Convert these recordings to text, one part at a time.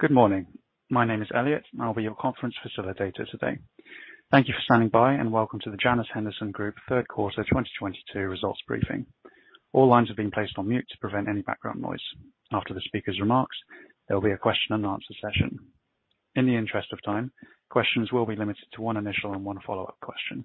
Good morning. My name is Elliot. I'll be your conference facilitator today. Thank you for standing by and welcome to the Janus Henderson Group Q3 2022 results briefing. All lines have been placed on mute to prevent any background noise. After the speaker's remarks, there will be a Q&A session. In the interest of time, questions will be limited to one initial and one follow-up question.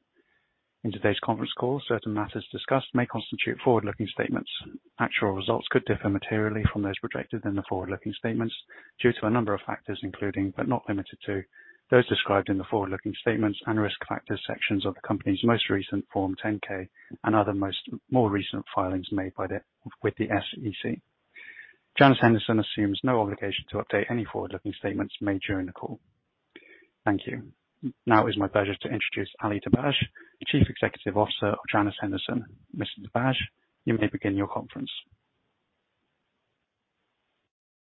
In today's conference call, certain matters discussed may constitute forward-looking statements. Actual results could differ materially from those projected in the forward-looking statements due to a number of factors, including, but not limited to, those described in the forward-looking statements and risk factor sections of the company's most recent Form 10-K and other more recent filings made with the SEC. Janus Henderson assumes no obligation to update any forward-looking statements made during the call. Thank you. Now it is my pleasure to introduce Ali Dibadj, the Chief Executive Officer of Janus Henderson. Mr. Dibadj, you may begin your conference.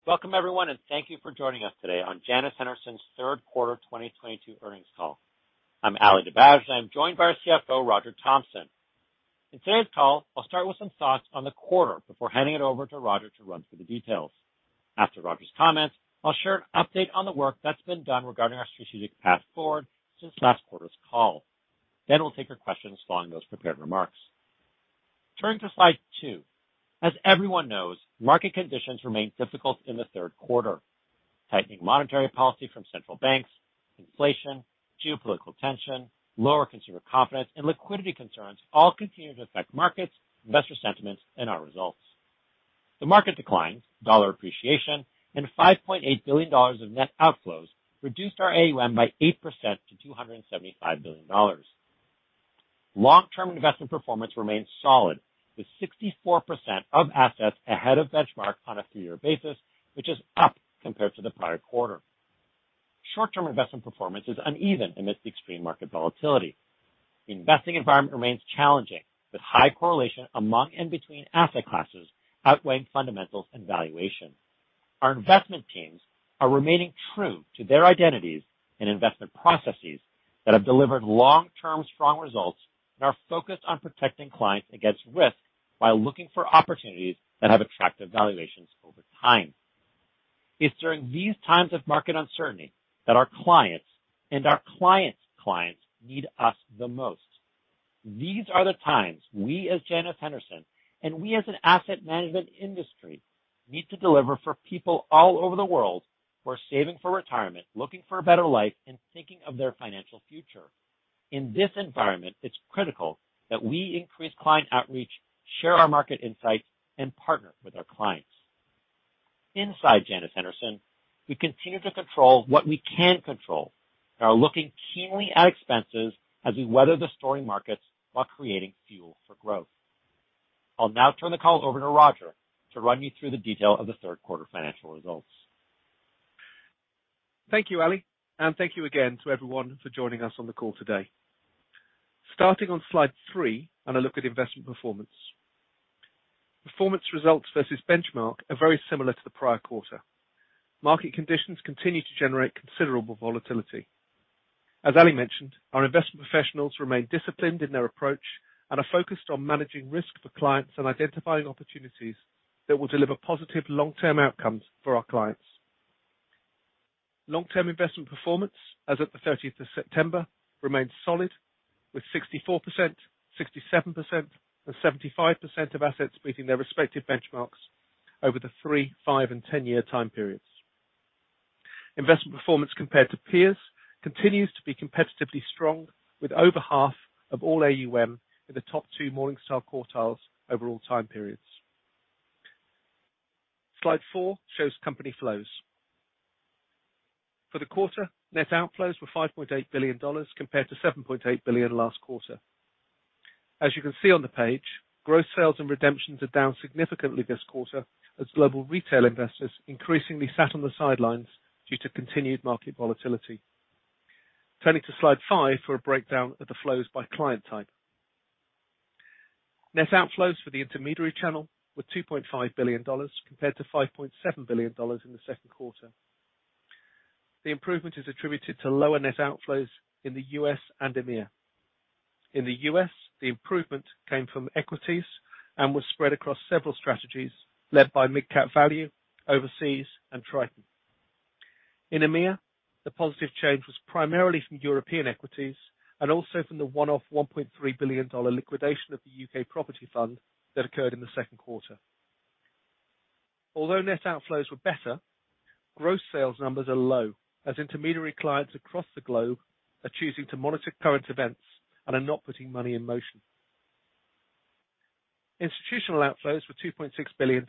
Welcome everyone, and thank you for joining us today on Janus Henderson's Q3 2022 earnings call. I'm Ali Dibadj. I'm joined by our CFO, Roger Thompson. In today's call, I'll start with some thoughts on the quarter before handing it over to Roger to run through the details. After Roger's comments, I'll share an update on the work that's been done regarding our strategic path forward since last quarter's call. We'll take your questions following those prepared remarks. Turning to slide two. As everyone knows, market conditions remain difficult in the Q3. Tightening monetary policy from central banks, inflation, geopolitical tension, lower consumer confidence, and liquidity concerns all continue to affect markets, investor sentiments, and our results. The market declines, dollar appreciation, and $5.8 billion of net outflows reduced our AUM by 8% to $275 billion. Long-term investment performance remains solid, with 64% of assets ahead of benchmark on a three year basis, which is up compared to the prior quarter. Short-term investment performance is uneven amidst extreme market volatility. The investing environment remains challenging, with high correlation among and between asset classes outweighing fundamentals and valuation. Our investment teams are remaining true to their identities and investment processes that have delivered long-term strong results and are focused on protecting clients against risk while looking for opportunities that have attractive valuations over time. It's during these times of market uncertainty that our clients and our clients' clients need us the most. These are the times we, as Janus Henderson and we as an asset management industry, need to deliver for people all over the world who are saving for retirement, looking for a better life, and thinking of their financial future. In this environment, it's critical that we increase client outreach, share our market insights, and partner with our clients. Inside Janus Henderson, we continue to control what we can control and are looking keenly at expenses as we weather the stormy markets while creating fuel for growth. I'll now turn the call over to Roger to run you through the details of the Q3 financial results. Thank you, Ali, and thank you again to everyone for joining us on the call today. Starting on slide three, a look at investment performance. Performance results versus benchmark are very similar to the prior quarter. Market conditions continue to generate considerable volatility. As Ali mentioned, our investment professionals remain disciplined in their approach and are focused on managing risk for clients and identifying opportunities that will deliver positive long-term outcomes for our clients. Long-term investment performance as of the thirtieth of September remains solid, with 64%, 67%, and 75% of assets beating their respective benchmarks over the three, five, and 10 year time periods. Investment performance compared to peers continues to be competitively strong, with over half of all AUM in the top two Morningstar quartiles over all time periods. Slide four shows company flows. For the quarter, net outflows were $5.8 billion compared to $7.8 billion last quarter. As you can see on the page, gross sales and redemptions are down significantly this quarter as global retail investors increasingly sat on the sidelines due to continued market volatility. Turning to slide five for a breakdown of the flows by client type. Net outflows for the intermediary channel were $2.5 billion compared to $5.7 billion in the Q2. The improvement is attributed to lower net outflows in the U.S. and EMEA. In the U.S., the improvement came from equities and was spread across several strategies led by Mid Cap Value, Overseas, and Triton. In EMEA, the positive change was primarily from European equities and also from the one-off $1.3 billion liquidation of the U.K. property fund that occurred in the Q2. Although net outflows were better, gross sales numbers are low as intermediary clients across the globe are choosing to monitor current events and are not putting money in motion. Institutional outflows were $2.6 billion,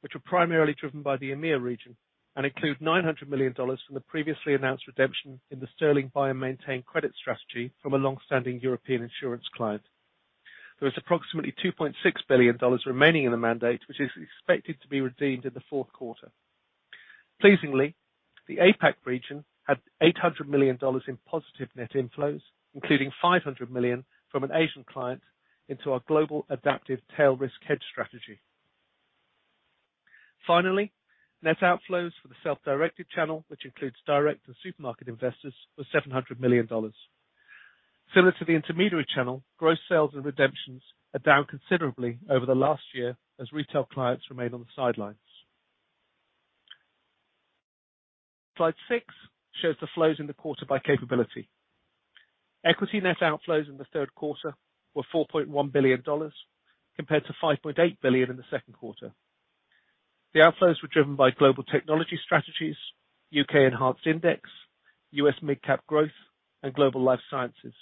which were primarily driven by the EMEA region and include $900 million from the previously announced redemption in the Sterling Buy and Maintain Credit strategy from a long-standing European insurance client. There is approximately $2.6 billion remaining in the mandate, which is expected to be redeemed in the Q4. Pleasingly, the APAC region had $800 million in positive net inflows, including $500 million from an Asian client into our Global Adaptive Capital Appreciation strategy. Finally, net outflows for the self-directed channel, which includes direct and supermarket investors, was $700 million. Similar to the intermediary channel, gross sales and redemptions are down considerably over the last year as retail clients remain on the sidelines. Slide six shows the flows in the quarter by capability. Equity net outflows in the Q3 were $4.1 billion compared to $5.8 billion in the Q2. The outflows were driven by Global Technology and Innovation, U.K. Enhanced Index, U.S. Mid Cap Growth, and Global Life Sciences.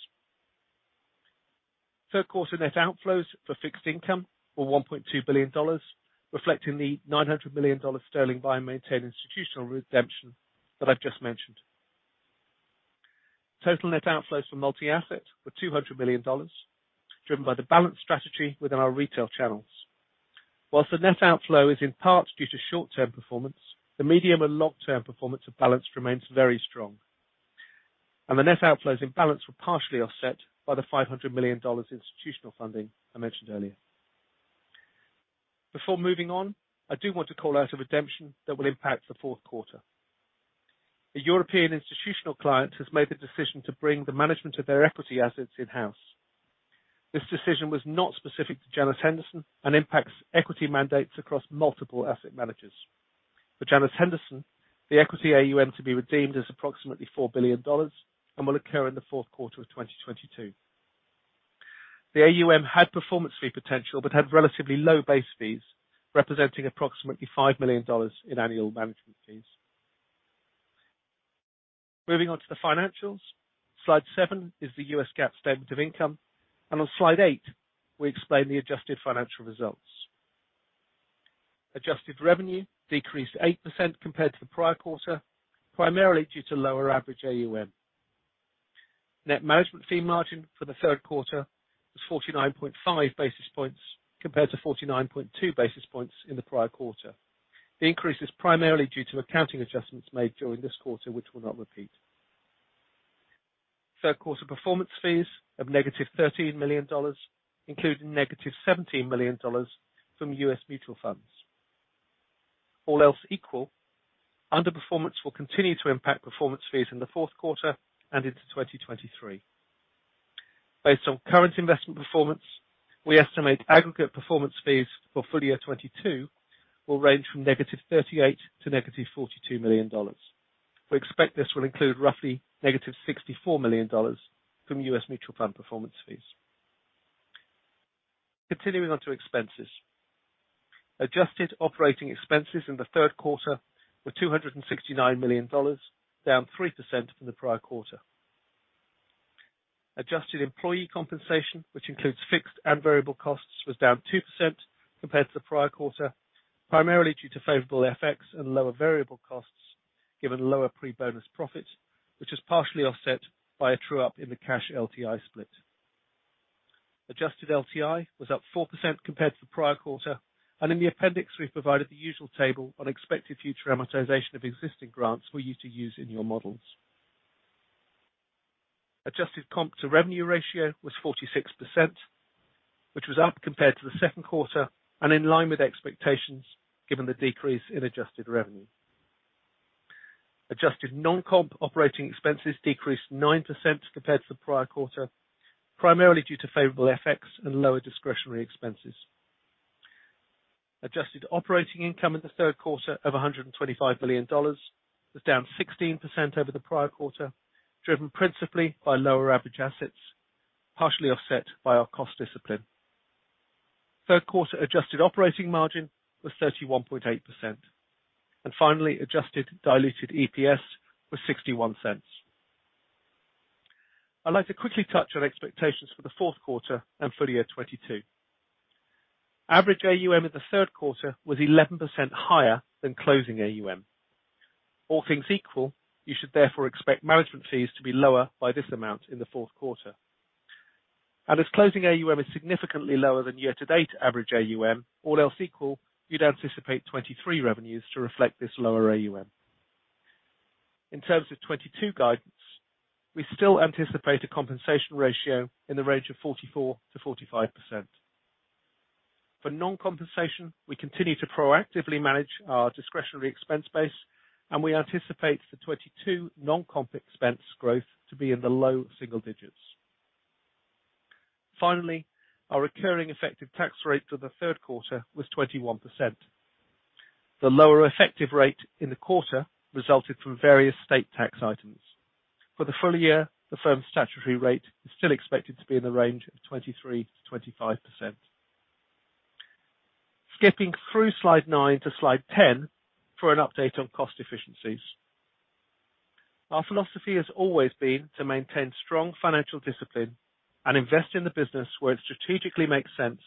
Q3 net outflows for fixed income were $1.2 billion, reflecting the $900 million Sterling Buy and Maintain Credit strategy institutional redemption that I've just mentioned. Total net outflows for multi-asset were $200 million, driven by the balance strategy within our retail channels. While the net outflow is in part due to short-term performance, the medium and long-term performance of balance remains very strong. The net outflows in balance were partially offset by the $500 million institutional funding I mentioned earlier. Before moving on, I do want to call out a redemption that will impact the Q4. A European institutional client has made the decision to bring the management of their equity assets in-house. This decision was not specific to Janus Henderson and impacts equity mandates across multiple asset managers. For Janus Henderson, the equity AUM to be redeemed is approximately $4 billion and will occur in the Q4 of 2022. The AUM had performance fee potential but had relatively low base fees, representing approximately $5 million in annual management fees. Moving on to the financials. Slide seven is the U.S. GAAP statement of income, and on slide eight, we explain the adjusted financial results. Adjusted revenue decreased 8% compared to the prior quarter, primarily due to lower average AUM. Net management fee margin for the Q3 was 49.5 basis points compared to 49.2 basis points in the prior quarter. The increase is primarily due to accounting adjustments made during this quarter, which will not repeat. Q3 performance fees of -$13 million, including -$17 million from U.S. mutual funds. All else equal, underperformance will continue to impact performance fees in the Q4 and into 2023. Based on current investment performance, we estimate aggregate performance fees for full year 2022 will range from -$38 million to -$42 million. We expect this will include roughly -$64 million from U.S. mutual fund performance fees. Continuing on to expenses. Adjusted operating expenses in the Q3 were $269 million, down 3% from the prior quarter. Adjusted employee compensation, which includes fixed and variable costs, was down 2% compared to the prior quarter, primarily due to favorable FX and lower variable costs given lower pre-bonus profits, which is partially offset by a true-up in the cash LTI split. Adjusted LTI was up 4% compared to the prior quarter, and in the appendix, we've provided the usual table on expected future amortization of existing grants for you to use in your models. Adjusted comp to revenue ratio was 46%, which was up compared to the Q2 and in line with expectations given the decrease in adjusted revenue. Adjusted non-comp operating expenses decreased 9% compared to the prior quarter, primarily due to favorable FX and lower discretionary expenses. Adjusted operating income in the Q3 of $125 billion was down 16% over the prior quarter, driven principally by lower average assets, partially offset by our cost discipline. Q3 adjusted operating margin was 31.8%. Finally, adjusted diluted EPS was $0.61. I'd like to quickly touch on expectations for the Q4 and full year 2022. Average AUM in the Q3 was 11% higher than closing AUM. All things equal, you should therefore expect management fees to be lower by this amount in the Q4. As closing AUM is significantly lower than year-to-date average AUM, all else equal, you'd anticipate 2023 revenues to reflect this lower AUM. In terms of 2022 guidance, we still anticipate a compensation ratio in the range of 44%-45%. For non-compensation, we continue to proactively manage our discretionary expense base, and we anticipate the 2022 non-comp expense growth to be in the low single digits. Finally, our recurring effective tax rate for the Q3 was 21%. The lower effective rate in the quarter resulted from various state tax items. For the full year, the firm's statutory rate is still expected to be in the range of 23%-25%. Skipping through slide nine-slide 10 for an update on cost efficiencies. Our philosophy has always been to maintain strong financial discipline and invest in the business where it strategically makes sense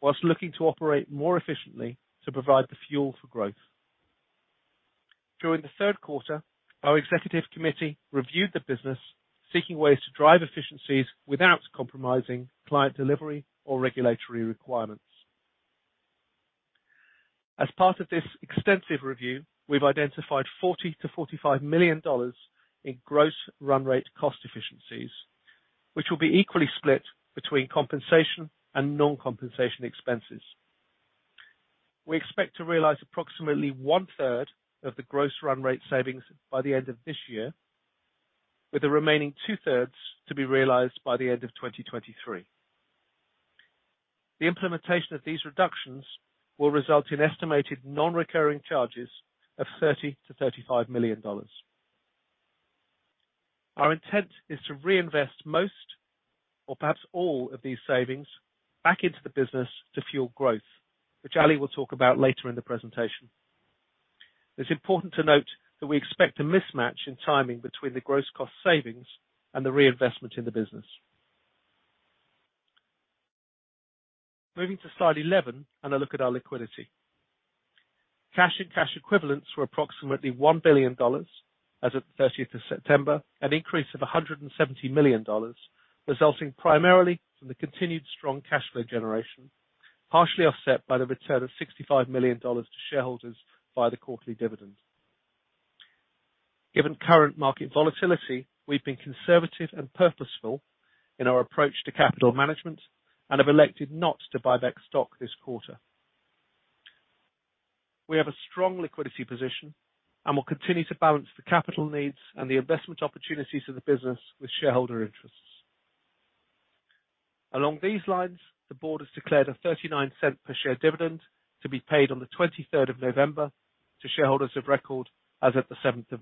while looking to operate more efficiently to provide the fuel for growth. During the Q3, our executive committee reviewed the business, seeking ways to drive efficiencies without compromising client delivery or regulatory requirements. As part of this extensive review, we've identified $40 million-$45 million in gross run rate cost efficiencies, which will be equally split between compensation and non-compensation expenses. We expect to realize approximately one-third of the gross run rate savings by the end of this year, with the remaining two-thirds to be realized by the end of 2023. The implementation of these reductions will result in estimated non-recurring charges of $30 million-$35 million. Our intent is to reinvest most or perhaps all of these savings back into the business to fuel growth, which Ali will talk about later in the presentation. It's important to note that we expect a mismatch in timing between the gross cost savings and the reinvestment in the business. Moving to slide 11 and a look at our liquidity. Cash and cash equivalents were approximately $1 billion as of 30th of September, an increase of $170 million, resulting primarily from the continued strong cash flow generation, partially offset by the return of $65 million to shareholders via the quarterly dividend. Given current market volatility, we've been conservative and purposeful in our approach to capital management and have elected not to buy back stock this quarter. We have a strong liquidity position and will continue to balance the capital needs and the investment opportunities of the business with shareholder interests. Along these lines, the board has declared a $0.39 per share dividend to be paid on November 23 to shareholders of record as of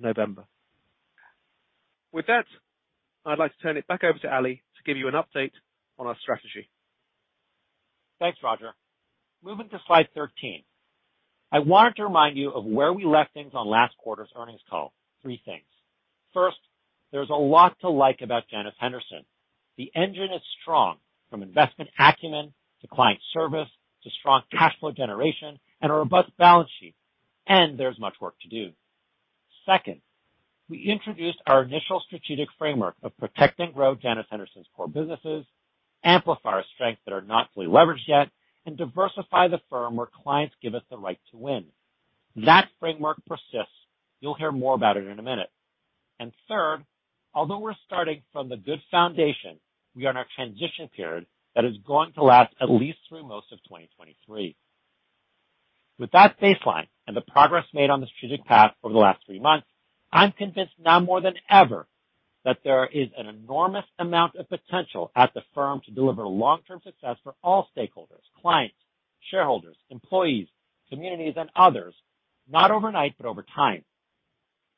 November 7. With that, I'd like to turn it back over to Ali to give you an update on our strategy. Thanks, Roger. Moving to slide 13. I wanted to remind you of where we left things on last quarter's earnings call. Three things. First, there's a lot to like about Janus Henderson. The engine is strong, from investment acumen to client service to strong cash flow generation and a robust balance sheet, and there's much work to do. Second, we introduced our initial strategic framework of protect and grow Janus Henderson's core businesses, amplify our strengths that are not fully leveraged yet, and diversify the firm where clients give us the right to win. That framework persists. You'll hear more about it in a minute. Third, although we're starting from the good foundation, we are in a transition period that is going to last at least through most of 2023. With that baseline and the progress made on the strategic path over the last three months, I'm convinced now more than ever that there is an enormous amount of potential at the firm to deliver long-term success for all stakeholders, clients, shareholders, employees, communities, and others, not overnight, but over time.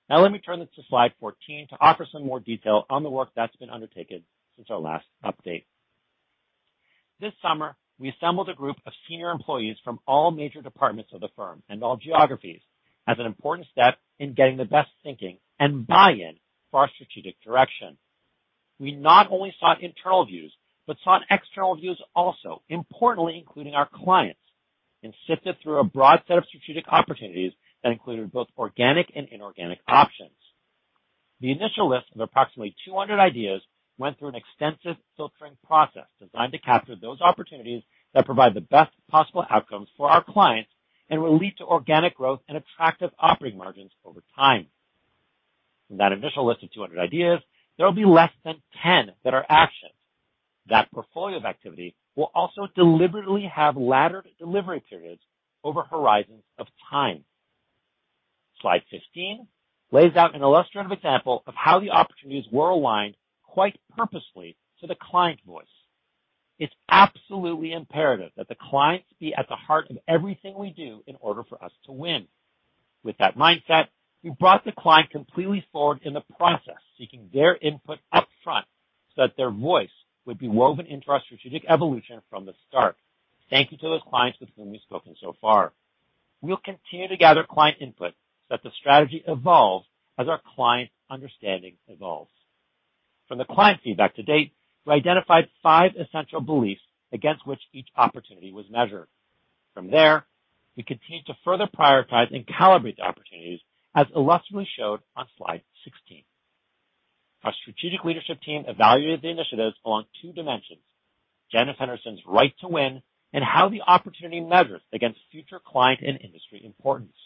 Now let me turn this to slide 14 to offer some more detail on the work that's been undertaken since our last update. This summer, we assembled a group of senior employees from all major departments of the firm and all geographies as an important step in getting the best thinking and buy-in for our strategic direction. We not only sought internal views, but sought external views also, importantly, including our clients, and sifted through a broad set of strategic opportunities that included both organic and inorganic options. The initial list of approximately 200 ideas went through an extensive filtering process designed to capture those opportunities that provide the best possible outcomes for our clients and will lead to organic growth and attractive operating margins over time. From that initial list of 200 ideas, there will be less than 10 that are actioned. That portfolio of activity will also deliberately have laddered delivery periods over horizons of time. Slide 15 lays out an illustrative example of how the opportunities were aligned quite purposely to the client voice. It's absolutely imperative that the clients be at the heart of everything we do in order for us to win. With that mindset, we brought the client completely forward in the process, seeking their input up front so that their voice would be woven into our strategic evolution from the start. Thank you to the clients with whom you've spoken so far. We'll continue to gather client input so that the strategy evolves as our client understanding evolves. From the client feedback to date, we identified five essential beliefs against which each opportunity was measured. From there, we continued to further prioritize and calibrate the opportunities, as illustratively showed on slide 16. Our strategic leadership team evaluated the initiatives along two dimensions, Janus Henderson's right to win, and how the opportunity measures against future client and industry importance.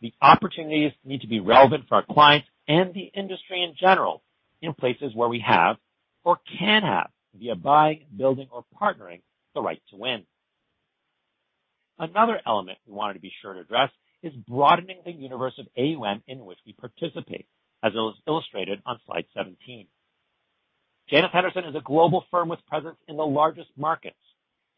The opportunities need to be relevant for our clients and the industry in general in places where we have or can have via buying, building, or partnering the right to win. Another element we wanted to be sure to address is broadening the universe of AUM in which we participate, as it was illustrated on slide 17. Janus Henderson is a global firm with presence in the largest markets.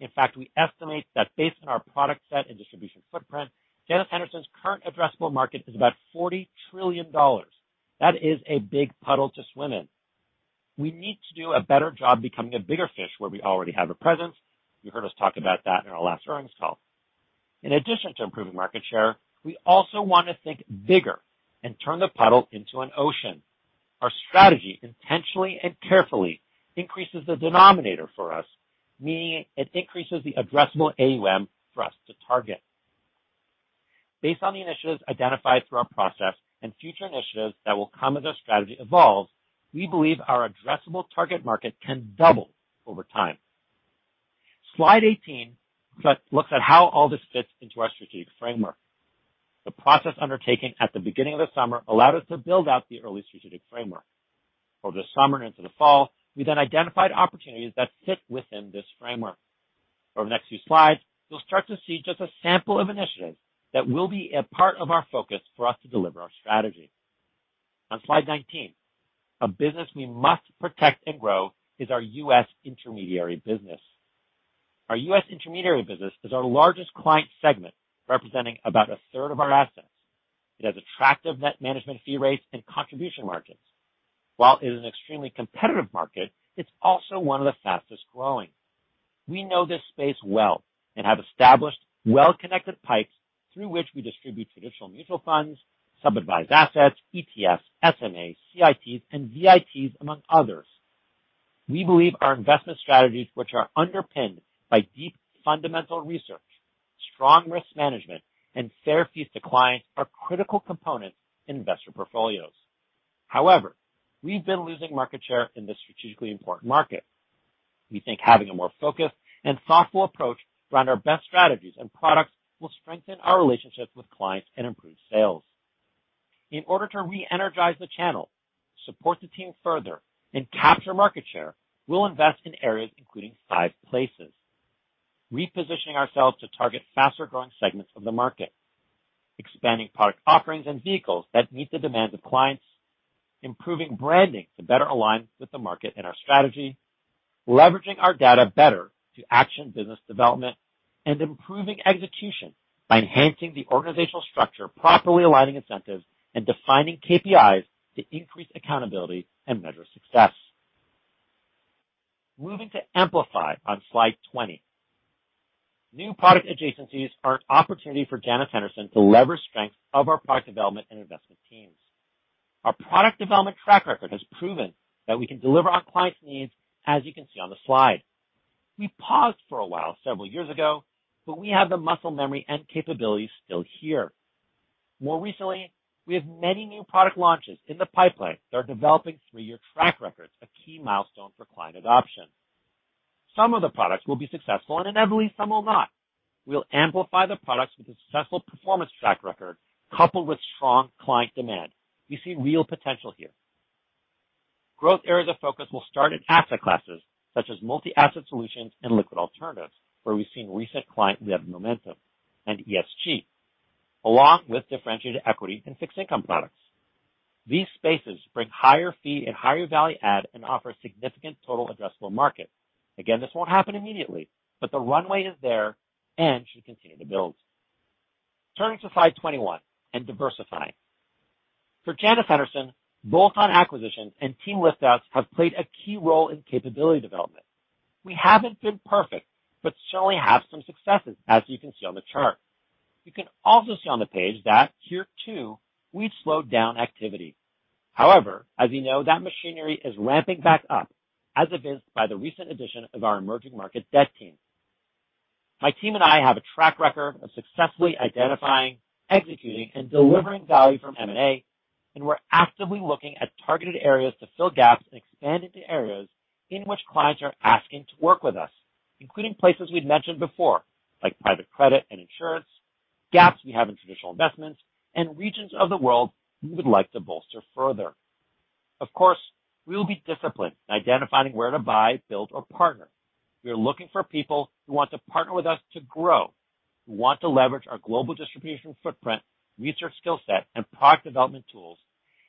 In fact, we estimate that based on our product set and distribution footprint, Janus Henderson's current addressable market is about $40 trillion. That is a big puddle to swim in. We need to do a better job becoming a bigger fish where we already have a presence. You heard us talk about that in our last earnings call. In addition to improving market share, we also want to think bigger and turn the puddle into an ocean. Our strategy intentionally and carefully increases the denominator for us, meaning it increases the addressable AUM for us to target. Based on the initiatives identified through our process and future initiatives that will come as our strategy evolves, we believe our addressable target market can double over time. Slide 18 looks at how all this fits into our strategic framework. The process undertaken at the beginning of the summer allowed us to build out the early strategic framework. Over the summer and into the fall, we then identified opportunities that fit within this framework. For the next few slides, you'll start to see just a sample of initiatives that will be a part of our focus for us to deliver our strategy. On slide 19, a business we must protect and grow is our U.S. intermediary business. Our U.S. intermediary business is our largest client segment, representing about a third of our assets. It has attractive net management fee rates and contribution margins. While it is an extremely competitive market, it's also one of the fastest-growing. We know this space well and have established well-connected pipes through which we distribute traditional mutual funds, sub-advised assets, ETFs, SMAs, CITs, and VITs, among others. We believe our investment strategies, which are underpinned by deep fundamental research, strong risk management, and fair fees to clients, are critical components in investor portfolios. However, we've been losing market share in this strategically important market. We think having a more focused and thoughtful approach around our best strategies and products will strengthen our relationships with clients and improve sales. In order to re-energize the channel, support the team further, and capture market share, we'll invest in areas including five places. Repositioning ourselves to target faster-growing segments of the market, expanding product offerings and vehicles that meet the demands of clients, improving branding to better align with the market and our strategy, leveraging our data better to action business development, and improving execution by enhancing the organizational structure, properly aligning incentives, and defining KPIs to increase accountability and measure success. Moving to amplify on slide 20. New product adjacencies are an opportunity for Janus Henderson to leverage strengths of our product development and investment teams. Our product development track record has proven that we can deliver on clients' needs, as you can see on the slide. We paused for a while several years ago, but we have the muscle memory and capabilities still here. More recently, we have many new product launches in the pipeline that are developing three-year track records, a key milestone for client adoption. Some of the products will be successful, and inevitably, some will not. We'll amplify the products with a successful performance track record coupled with strong client demand. We see real potential here. Growth areas of focus will start in asset classes such as multi-asset solutions and liquid alternatives, where we've seen recent client net momentum and ESG, along with differentiated equity and fixed income products. These spaces bring higher fee and higher value add and offer significant total addressable market. Again, this won't happen immediately, but the runway is there and should continue to build. Turning to slide 21 and diversifying. For Janus Henderson, bolt-on acquisitions and team lift outs have played a key role in capability development. We haven't been perfect, but certainly have some successes, as you can see on the chart. You can also see on the page that here, too, we've slowed down activity. However, as you know, that machinery is ramping back up, as evidenced by the recent addition of our Emerging Market Debt team. My team and I have a track record of successfully identifying, executing, and delivering value from M&A, and we're actively looking at targeted areas to fill gaps and expand into areas in which clients are asking to work with us, including places we'd mentioned before, like private credit and insurance, gaps we have in traditional investments, and regions of the world we would like to bolster further. Of course, we will be disciplined in identifying where to buy, build, or partner. We are looking for people who want to partner with us to grow, who want to leverage our global distribution footprint, research skill set, and product development tools,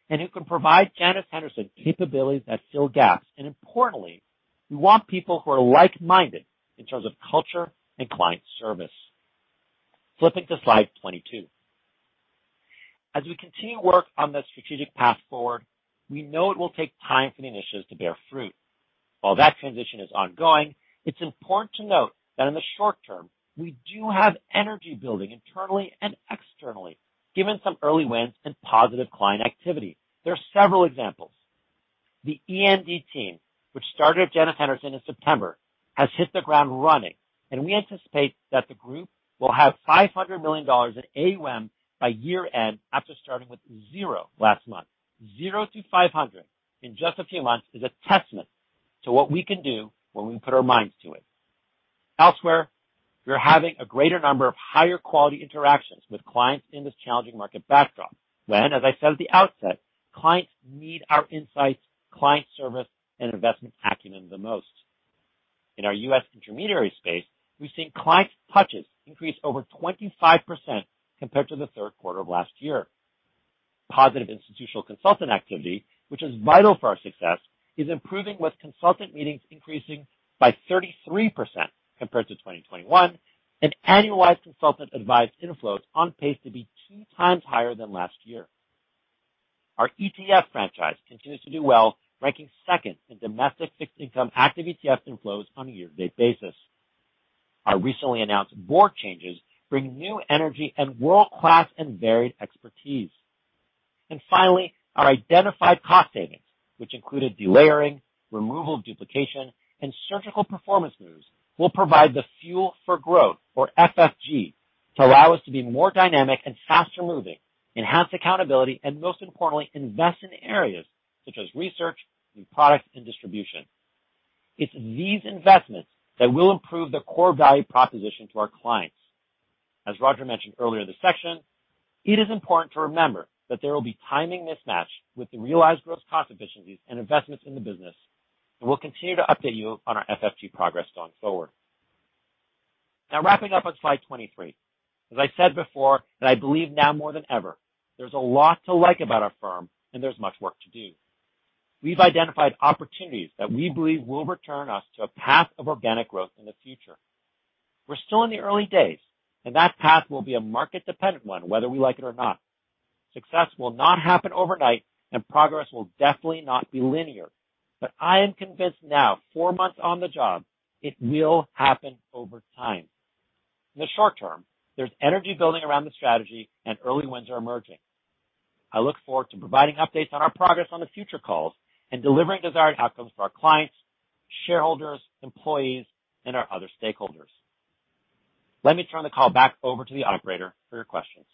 and who can provide Janus Henderson capabilities that fill gaps. Importantly, we want people who are like-minded in terms of culture and client service. Flipping to slide 22. As we continue work on the strategic path forward, we know it will take time for the initiatives to bear fruit. While that transition is ongoing, it's important to note that in the short term, we do have energy building internally and externally, given some early wins and positive client activity. There are several examples. The EMD team, which started at Janus Henderson in September, has hit the ground running, and we anticipate that the group will have $500 million in AUM by year-end after starting with zero last month. Zero to $500 million in just a few months is a testament to what we can do when we put our minds to it. Elsewhere, we are having a greater number of higher quality interactions with clients in this challenging market backdrop. When, as I said at the outset, clients need our insights, client service, and investment acumen the most. In our U.S. intermediary space, we've seen client touches increase over 25% compared to the Q3 of last year. Positive institutional consultant activity, which is vital for our success, is improving, with consultant meetings increasing by 33% compared to 2021, and annualized consultant advice inflows on pace to be 2x higher than last year. Our ETF franchise continues to do well, ranking second in domestic fixed income active ETF inflows on a year-to-date basis. Our recently announced board changes bring new energy and world-class and varied expertise. Finally, our identified cost savings, which included delayering, removal of duplication, and surgical performance moves, will provide the fuel for growth, or FFG, to allow us to be more dynamic and faster moving, enhance accountability, and most importantly, invest in areas such as research, new products, and distribution. It's these investments that will improve the core value proposition to our clients. As Roger mentioned earlier in the section, it is important to remember that there will be timing mismatch with the realized gross cost efficiencies and investments in the business, and we'll continue to update you on our FFG progress going forward. Now wrapping up on slide 23. As I said before, and I believe now more than ever, there's a lot to like about our firm and there's much work to do. We've identified opportunities that we believe will return us to a path of organic growth in the future. We're still in the early days, and that path will be a market-dependent one, whether we like it or not. Success will not happen overnight, and progress will definitely not be linear. I am convinced now, four months on the job, it will happen over time. In the short term, there's energy building around the strategy and early wins are emerging. I look forward to providing updates on our progress on the future calls and delivering desired outcomes for our clients, shareholders, employees, and our other stakeholders. Let me turn the call back over to the operator for your questions.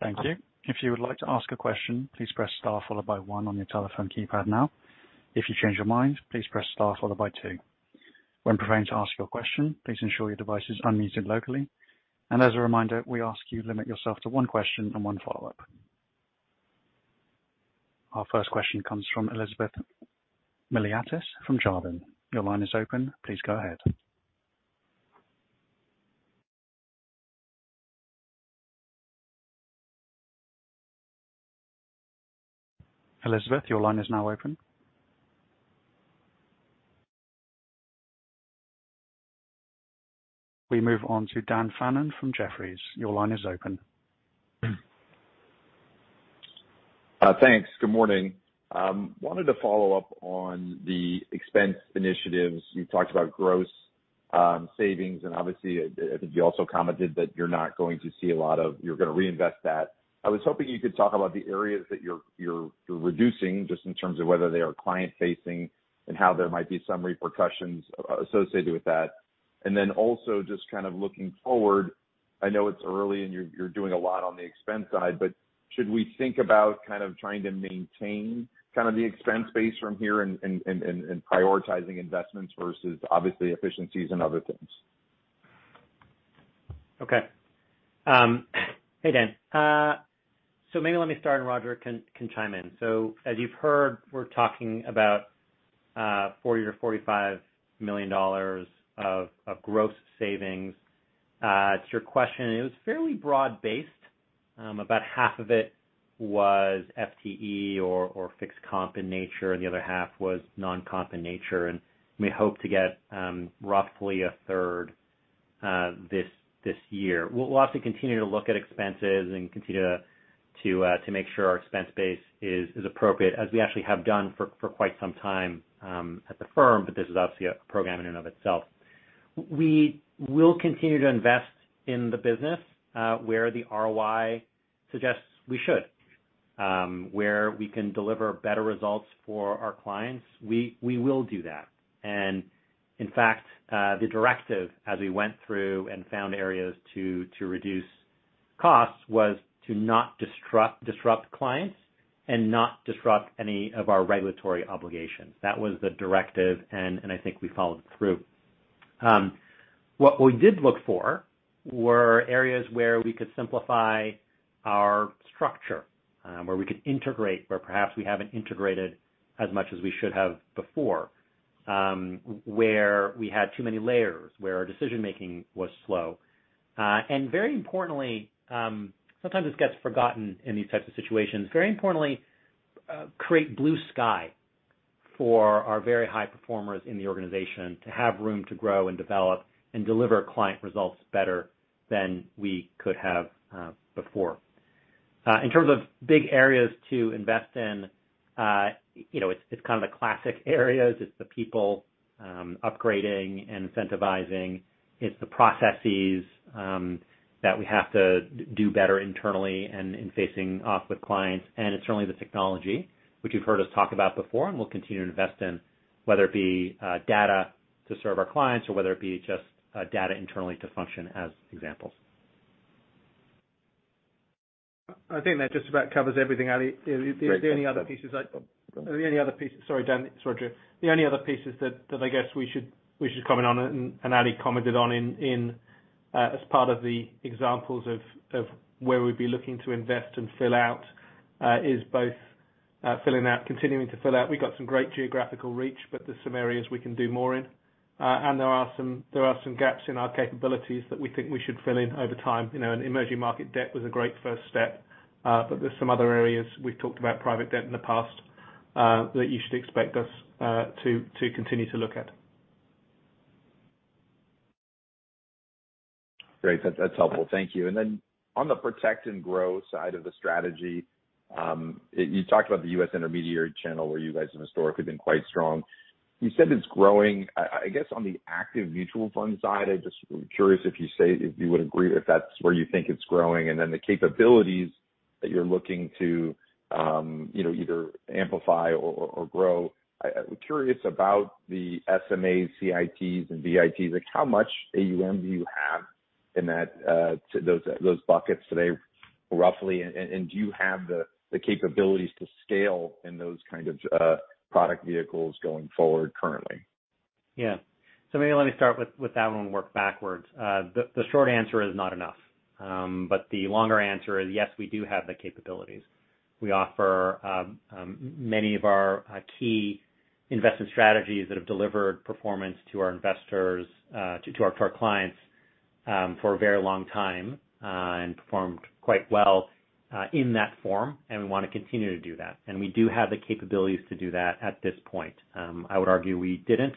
Thank you. If you would like to ask a question, please press star followed by one on your telephone keypad now. If you change your mind, please press star followed by two. When preparing to ask your question, please ensure your device is unmuted locally. As a reminder, we ask you limit yourself to one question and one follow-up. Our first question comes from Elizabeth Miliatis from Jarden. Your line is open. Please go ahead. Elizabeth, your line is now open. We move on to Daniel Fannon from Jefferies. Your line is open. Thanks. Good morning. Wanted to follow up on the expense initiatives. You talked about gross savings, and obviously, I think you also commented that you're not going to see a lot of. You're gonna reinvest that. I was hoping you could talk about the areas that you're reducing just in terms of whether they are client-facing and how there might be some repercussions associated with that. Then also just kind of looking forward, I know it's early and you're doing a lot on the expense side, but should we think about kind of trying to maintain kind of the expense base from here and prioritizing investments versus obviously efficiencies and other things? Okay. Hey, Dan. Maybe let me start and Roger can chime in. As you've heard, we're talking about $40 million-$45 million of gross savings. To your question, it was fairly broad-based. About half of it was FTE or fixed comp in nature, and the other half was non-comp in nature. We hope to get roughly a third this year. We'll also continue to look at expenses and continue to make sure our expense base is appropriate, as we actually have done for quite some time at the firm, but this is obviously a program in and of itself. We will continue to invest in the business where the ROI suggests we should. Where we can deliver better results for our clients, we will do that. In fact, the directive as we went through and found areas to reduce costs was to not disrupt clients and not disrupt any of our regulatory obligations. That was the directive, and I think we followed through. What we did look for were areas where we could simplify our structure, where we could integrate, where perhaps we haven't integrated as much as we should have before, where we had too many layers, where our decision-making was slow. Very importantly, sometimes this gets forgotten in these types of situations. Very importantly, create blue sky for our very high performers in the organization to have room to grow and develop and deliver client results better than we could have before. In terms of big areas to invest in, you know, it's kind of the classic areas. It's the people, upgrading and incentivizing. It's the processes, that we have to do better internally and in facing off with clients. It's certainly the technology, which you've heard us talk about before, and we'll continue to invest in, whether it be, data to serve our clients or whether it be just, data internally to function as examples. I think that just about covers everything, Ali. Are there any other pieces? Sorry, Dan. [Sorry, Roger]. The only other pieces that I guess we should comment on and Ali commented on in as part of the examples of where we'd be looking to invest and fill out is both filling out, continuing to fill out. We've got some great geographical reach, but there's some areas we can do more in. There are some gaps in our capabilities that we think we should fill in over time. You know, Emerging Market Debt was a great first step, but there's some other areas, we've talked about private debt in the past, that you should expect us to continue to look at. Great. That's helpful. Thank you. On the protect and grow side of the strategy, you talked about the U.S. intermediary channel where you guys have historically been quite strong. You said it's growing. I guess on the active mutual fund side, I just am curious if you say if you would agree if that's where you think it's growing and then the capabilities that you're looking to, you know, either amplify or grow. I'm curious about the SMA, CITs and VITs, like how much AUM do you have in that, those buckets today roughly. Do you have the capabilities to scale in those kind of product vehicles going forward currently? Maybe let me start with that one and work backwards. The short answer is not enough. The longer answer is yes, we do have the capabilities. We offer many of our key investment strategies that have delivered performance to our investors, to our clients, for a very long time, and performed quite well, in that form, and we wanna continue to do that. We do have the capabilities to do that at this point. I would argue we didn't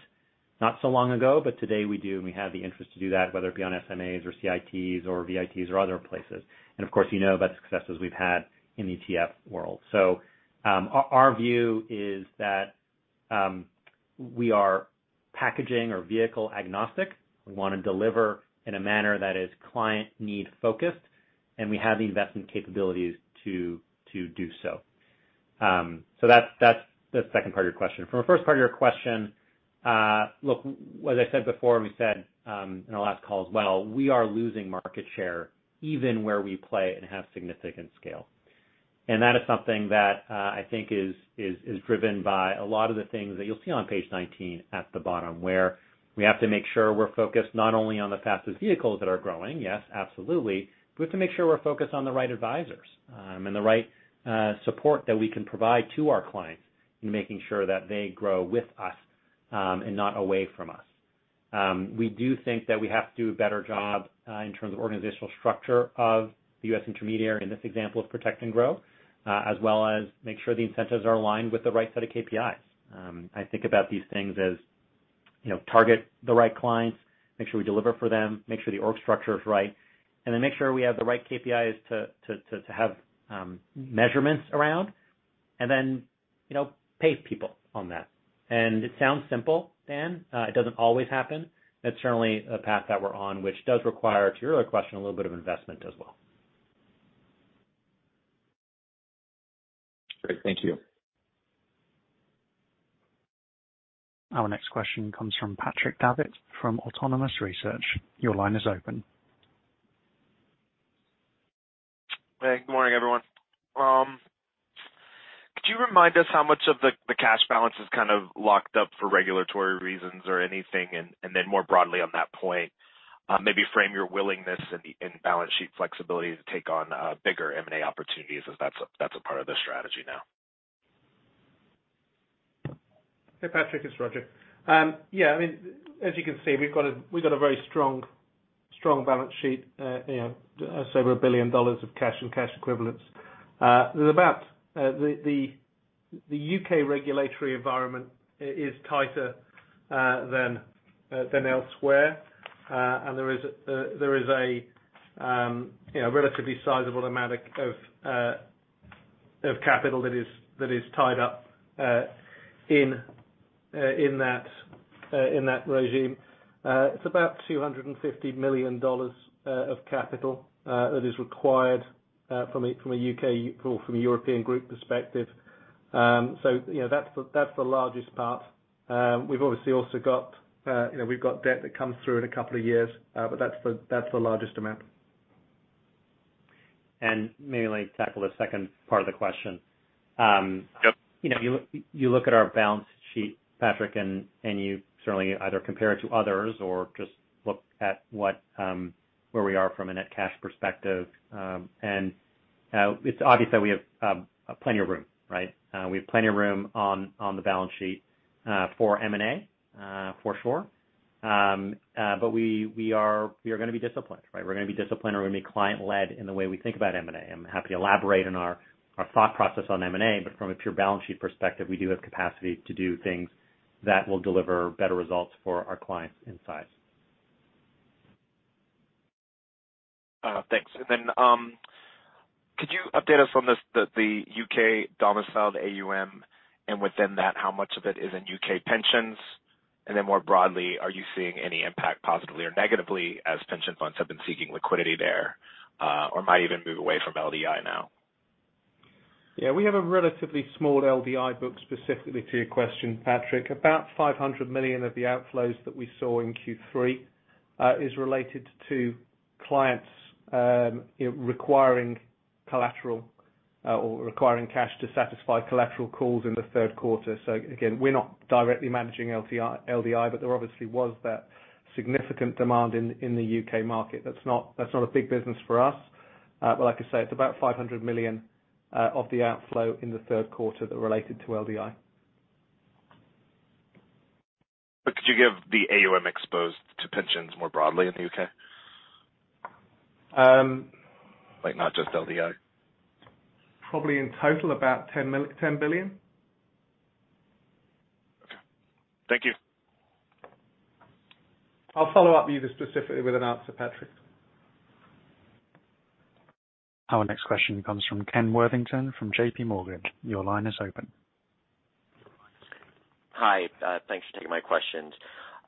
not so long ago, but today we do, and we have the interest to do that, whether it be on SMAs or CITs or VITs or other places. Of course, you know about successes we've had in ETF world. Our view is that we are packaging or vehicle agnostic. We wanna deliver in a manner that is client need focused, and we have the investment capabilities to do so. That's the second part of your question. For the first part of your question, look, as I said before, and we said in our last call as well, we are losing market share even where we play and have significant scale. That is something that, I think is driven by a lot of the things that you'll see on page 19 at the bottom, where we have to make sure we're focused not only on the fastest vehicles that are growing, yes, absolutely, but we have to make sure we're focused on the right advisors, and the right support that we can provide to our clients in making sure that they grow with us, and not away from us. We do think that we have to do a better job, in terms of organizational structure of the U.S. intermediary in this example of protect and grow, as well as make sure the incentives are aligned with the right set of KPIs. I think about these things as, you know, target the right clients, make sure we deliver for them, make sure the org structure is right, and then make sure we have the right KPIs to have measurements around. You know, pay people on that. It sounds simple, Dan. It doesn't always happen. That's certainly a path that we're on, which does require, to your other question, a little bit of investment as well. Great. Thank you. Our next question comes from Patrick Davitt from Autonomous Research. Your line is open. Hey, good morning, everyone. Could you remind us how much of the cash balance is kind of locked up for regulatory reasons or anything? Then more broadly on that point, maybe frame your willingness and the balance sheet flexibility to take on bigger M&A opportunities as that's a part of the strategy now. Hey, Patrick, it's Roger. Yeah, I mean, as you can see, we've got a very strong balance sheet, you know, over $1 billion of cash and cash equivalents. There's about the U.K. regulatory environment is tighter than elsewhere. There is a, you know, relatively sizable amount of capital that is tied up in that regime. It's about $250 million of capital that is required from a U.K. or from a European group perspective. So, you know, that's the largest part. We've obviously also got, you know, debt that comes through in a couple of years, but that's the largest amount. Maybe let me tackle the second part of the question. Yep. You know, you look at our balance sheet, Patrick, and you certainly either compare it to others or just look at what where we are from a net cash perspective. It's obvious that we have plenty of room, right? We have plenty of room on the balance sheet for M&A, for sure. But we are gonna be disciplined, right? We're gonna be disciplined, and we're gonna be client-led in the way we think about M&A. I'm happy to elaborate on our thought process on M&A, but from a pure balance sheet perspective, we do have capacity to do things that will deliver better results for our clients in size. Thanks. Could you update us on the U.K. domiciled AUM, and within that, how much of it is in U.K. pensions? More broadly, are you seeing any impact positively or negatively as pension funds have been seeking liquidity there, or might even move away from LDI now? Yeah, we have a relatively small LDI book, specifically to your question, Patrick. About $500 million of the outflows that we saw in Q3 is related to clients requiring collateral or requiring cash to satisfy collateral calls in the Q3. Again, we're not directly managing LDI, but there obviously was that significant demand in the U.K. market. That's not a big business for us. Like I say, it's about $500 million of the outflow in the Q3 that related to LDI. Could you give the AUM exposed to pensions more broadly in the U.K.? Um. Like, not just LDI. Probably in total, about $10 billion. Okay. Thank you. I'll follow up with you specifically with an answer, Patrick. Our next question comes from Kenneth Worthington from JPMorgan. Your line is open. Hi. Thanks for taking my questions.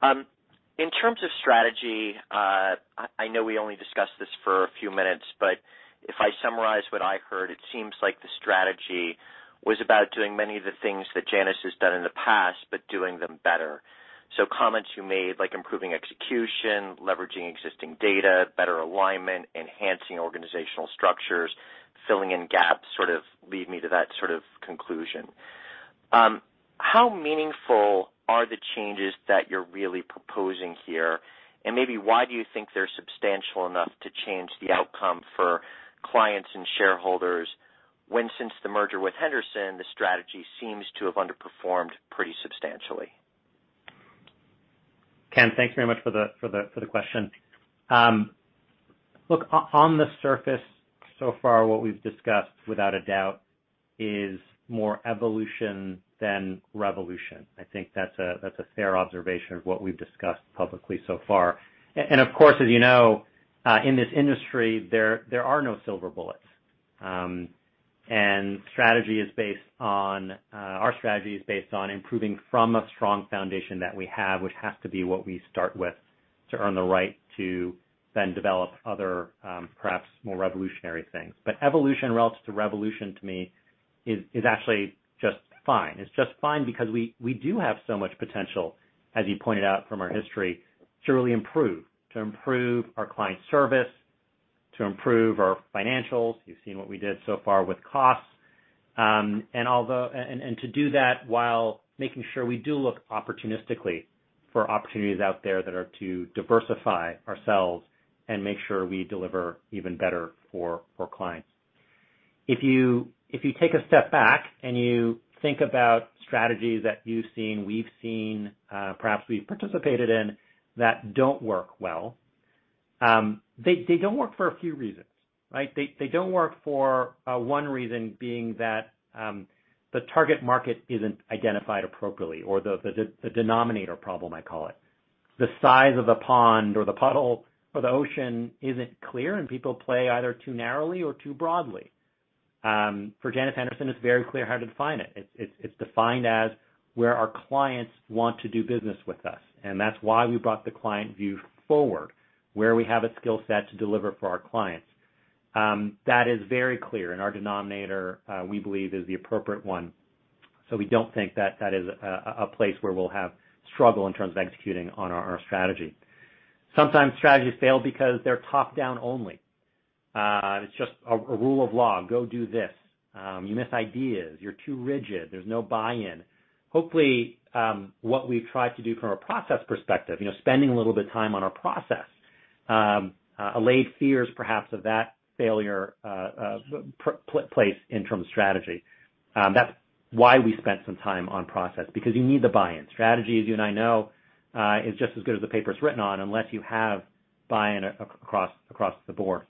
In terms of strategy, I know we only discussed this for a few minutes, but if I summarize what I heard, it seems like the strategy was about doing many of the things that Janus has done in the past, but doing them better. Comments you made, like improving execution, leveraging existing data, better alignment, enhancing organizational structures, filling in gaps, sort of lead me to that sort of conclusion. How meaningful are the changes that you're really proposing here? Maybe why do you think they're substantial enough to change the outcome for clients and shareholders when since the merger with Henderson, the strategy seems to have underperformed pretty substantially? Ken, thanks very much for the question. Look, on the surface so far what we've discussed without a doubt is more evolution than revolution. I think that's a fair observation of what we've discussed publicly so far. Of course, as you know, in this industry, there are no silver bullets. Our strategy is based on improving from a strong foundation that we have, which has to be what we start with to earn the right to then develop other, perhaps more revolutionary things. Evolution relative to revolution to me is actually just fine. It's just fine because we do have so much potential, as you pointed out from our history, to really improve. To improve our client service, to improve our financials. You've seen what we did so far with costs. To do that while making sure we do look opportunistically for opportunities out there that are to diversify ourselves and make sure we deliver even better for clients. If you take a step back and you think about strategies that you've seen, we've seen, perhaps we've participated in that don't work well, they don't work for a few reasons, right? They don't work for one reason being that the target market isn't identified appropriately or the denominator problem, I call it. The size of the pond or the puddle or the ocean isn't clear, and people play either too narrowly or too broadly. For Janus Henderson, it's very clear how to define it. It's defined as where our clients want to do business with us, and that's why we brought the client view forward, where we have a skill set to deliver for our clients. That is very clear, and our denominator, we believe, is the appropriate one. We don't think that is a place where we'll have struggle in terms of executing on our strategy. Sometimes strategies fail because they're top-down only. It's just a rule of law. Go do this. You miss ideas. You're too rigid. There's no buy-in. Hopefully, what we've tried to do from a process perspective, you know, spending a little bit of time on our process, allay fears perhaps of that failure in terms of strategy. That's why we spent some time on process, because you need the buy-in. Strategy, as you and I know, is just as good as the paper it's written on unless you have buy-in across the board.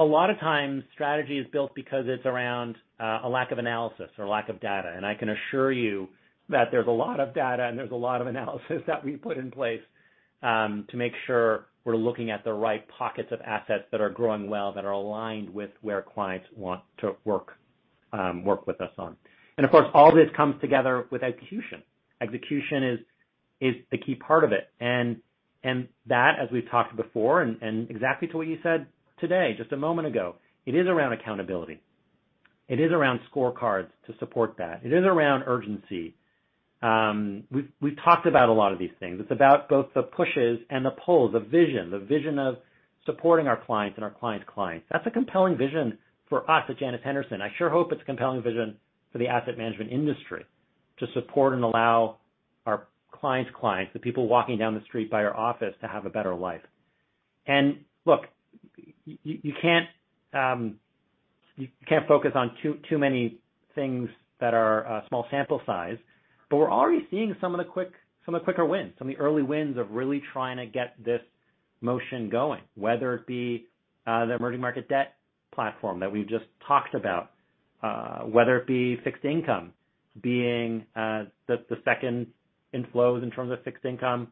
A lot of times strategy is built because it's around a lack of analysis or lack of data. I can assure you that there's a lot of data and there's a lot of analysis that we put in place to make sure we're looking at the right pockets of assets that are growing well, that are aligned with where clients want to work with us on. Of course, all this comes together with execution. Execution is the key part of it. That, as we've talked before and exactly to what you said today just a moment ago, it is around accountability. It is around scorecards to support that. It is around urgency. We've talked about a lot of these things. It's about both the pushes and the pulls, the vision of supporting our clients and our clients' clients. That's a compelling vision for us at Janus Henderson. I sure hope it's a compelling vision for the asset management industry to support and allow our clients' clients, the people walking down the street by our office, to have a better life. Look, you can't focus on too many things that are a small sample size, but we're already seeing some of the quicker wins, some of the early wins of really trying to get this motion going, whether it be the Emerging Market Debt platform that we've just talked about, whether it be fixed income being the second inflows in terms of fixed income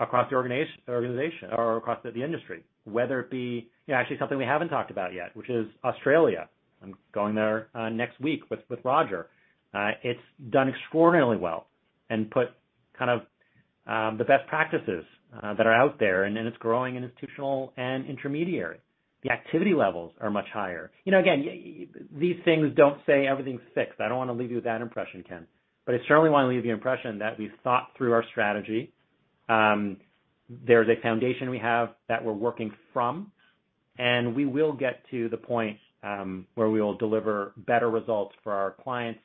across the organization or across the industry. Whether it be, you know, actually something we haven't talked about yet, which is Australia. I'm going there next week with Roger. It's done extraordinarily well and put kind of the best practices that are out there, and it's growing institutional and intermediary. The activity levels are much higher. You know, again, these things don't say everything's fixed. I don't wanna leave you with that impression, Ken. I certainly wanna leave you impression that we've thought through our strategy. There's a foundation we have that we're working from, and we will get to the point where we will deliver better results for our clients,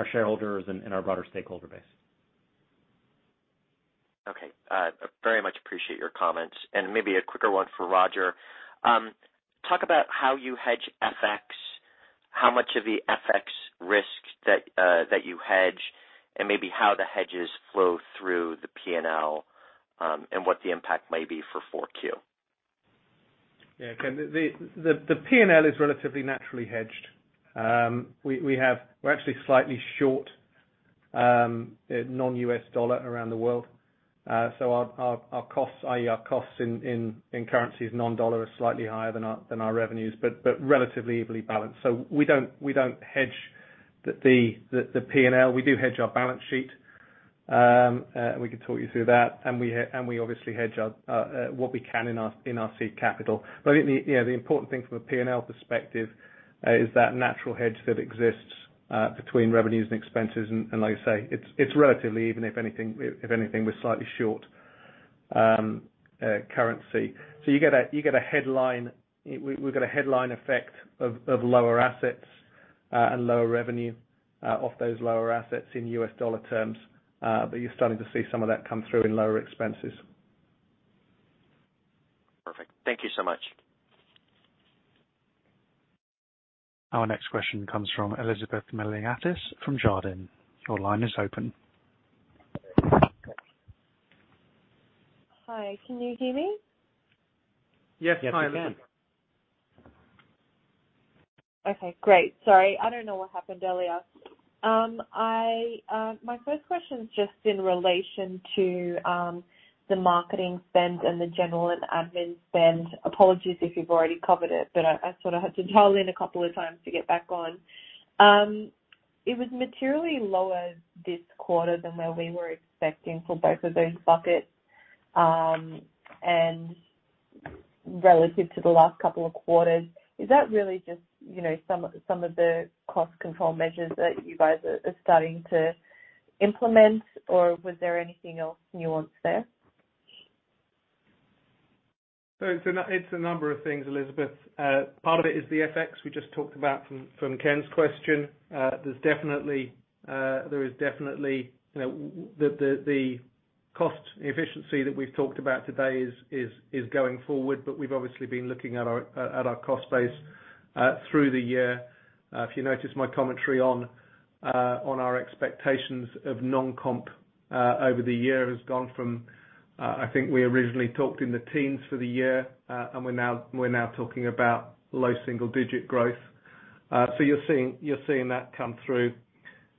our shareholders, and our broader stakeholder base. Okay. Very much appreciate your comments. Maybe a quicker one for Roger. Talk about how you hedge FX, how much of the FX risk that you hedge, and maybe how the hedges flow through the P&L, and what the impact may be for 4Q. Yeah. Ken, the P&L is relatively naturally hedged. We're actually slightly short non-U.S. dollar around the world. So our costs, i.e., our costs in currencies non-dollar, is slightly higher than our revenues, but relatively evenly balanced. We don't hedge the P&L. We do hedge our balance sheet. We could talk you through that. We obviously hedge what we can in our seed capital. I think you know the important thing from a P&L perspective is that natural hedge that exists between revenues and expenses. Like I say, it's relatively even if anything we're slightly short currency. You get a headline. We've got a headline effect of lower assets and lower revenue off those lower assets in U.S. dollar terms. You're starting to see some of that come through in lower expenses. Perfect. Thank you so much. Our next question comes from Elizabeth Miliatis from Jarden. Your line is open. Hi, can you hear me? Yes, hi. Yes, we can. Okay, great. Sorry. I don't know what happened earlier. My first question is just in relation to the marketing spend and the general and admin spend. Apologies if you've already covered it, but I sort of had to dial in a couple of times to get back on. It was materially lower this quarter than where we were expecting for both of those buckets and relative to the last couple of quarters. Is that really just, you know, some of the cost control measures that you guys are starting to implement, or was there anything else nuanced there? It's a number of things, Elizabeth. Part of it is the FX we just talked about from Ken's question. There's definitely, you know, the cost efficiency that we've talked about today is going forward, but we've obviously been looking at our cost base through the year. If you noticed my commentary on our expectations of non-comp over the year has gone from, I think we originally talked in the teens for the year, and we're now talking about low single digit growth. You're seeing that come through.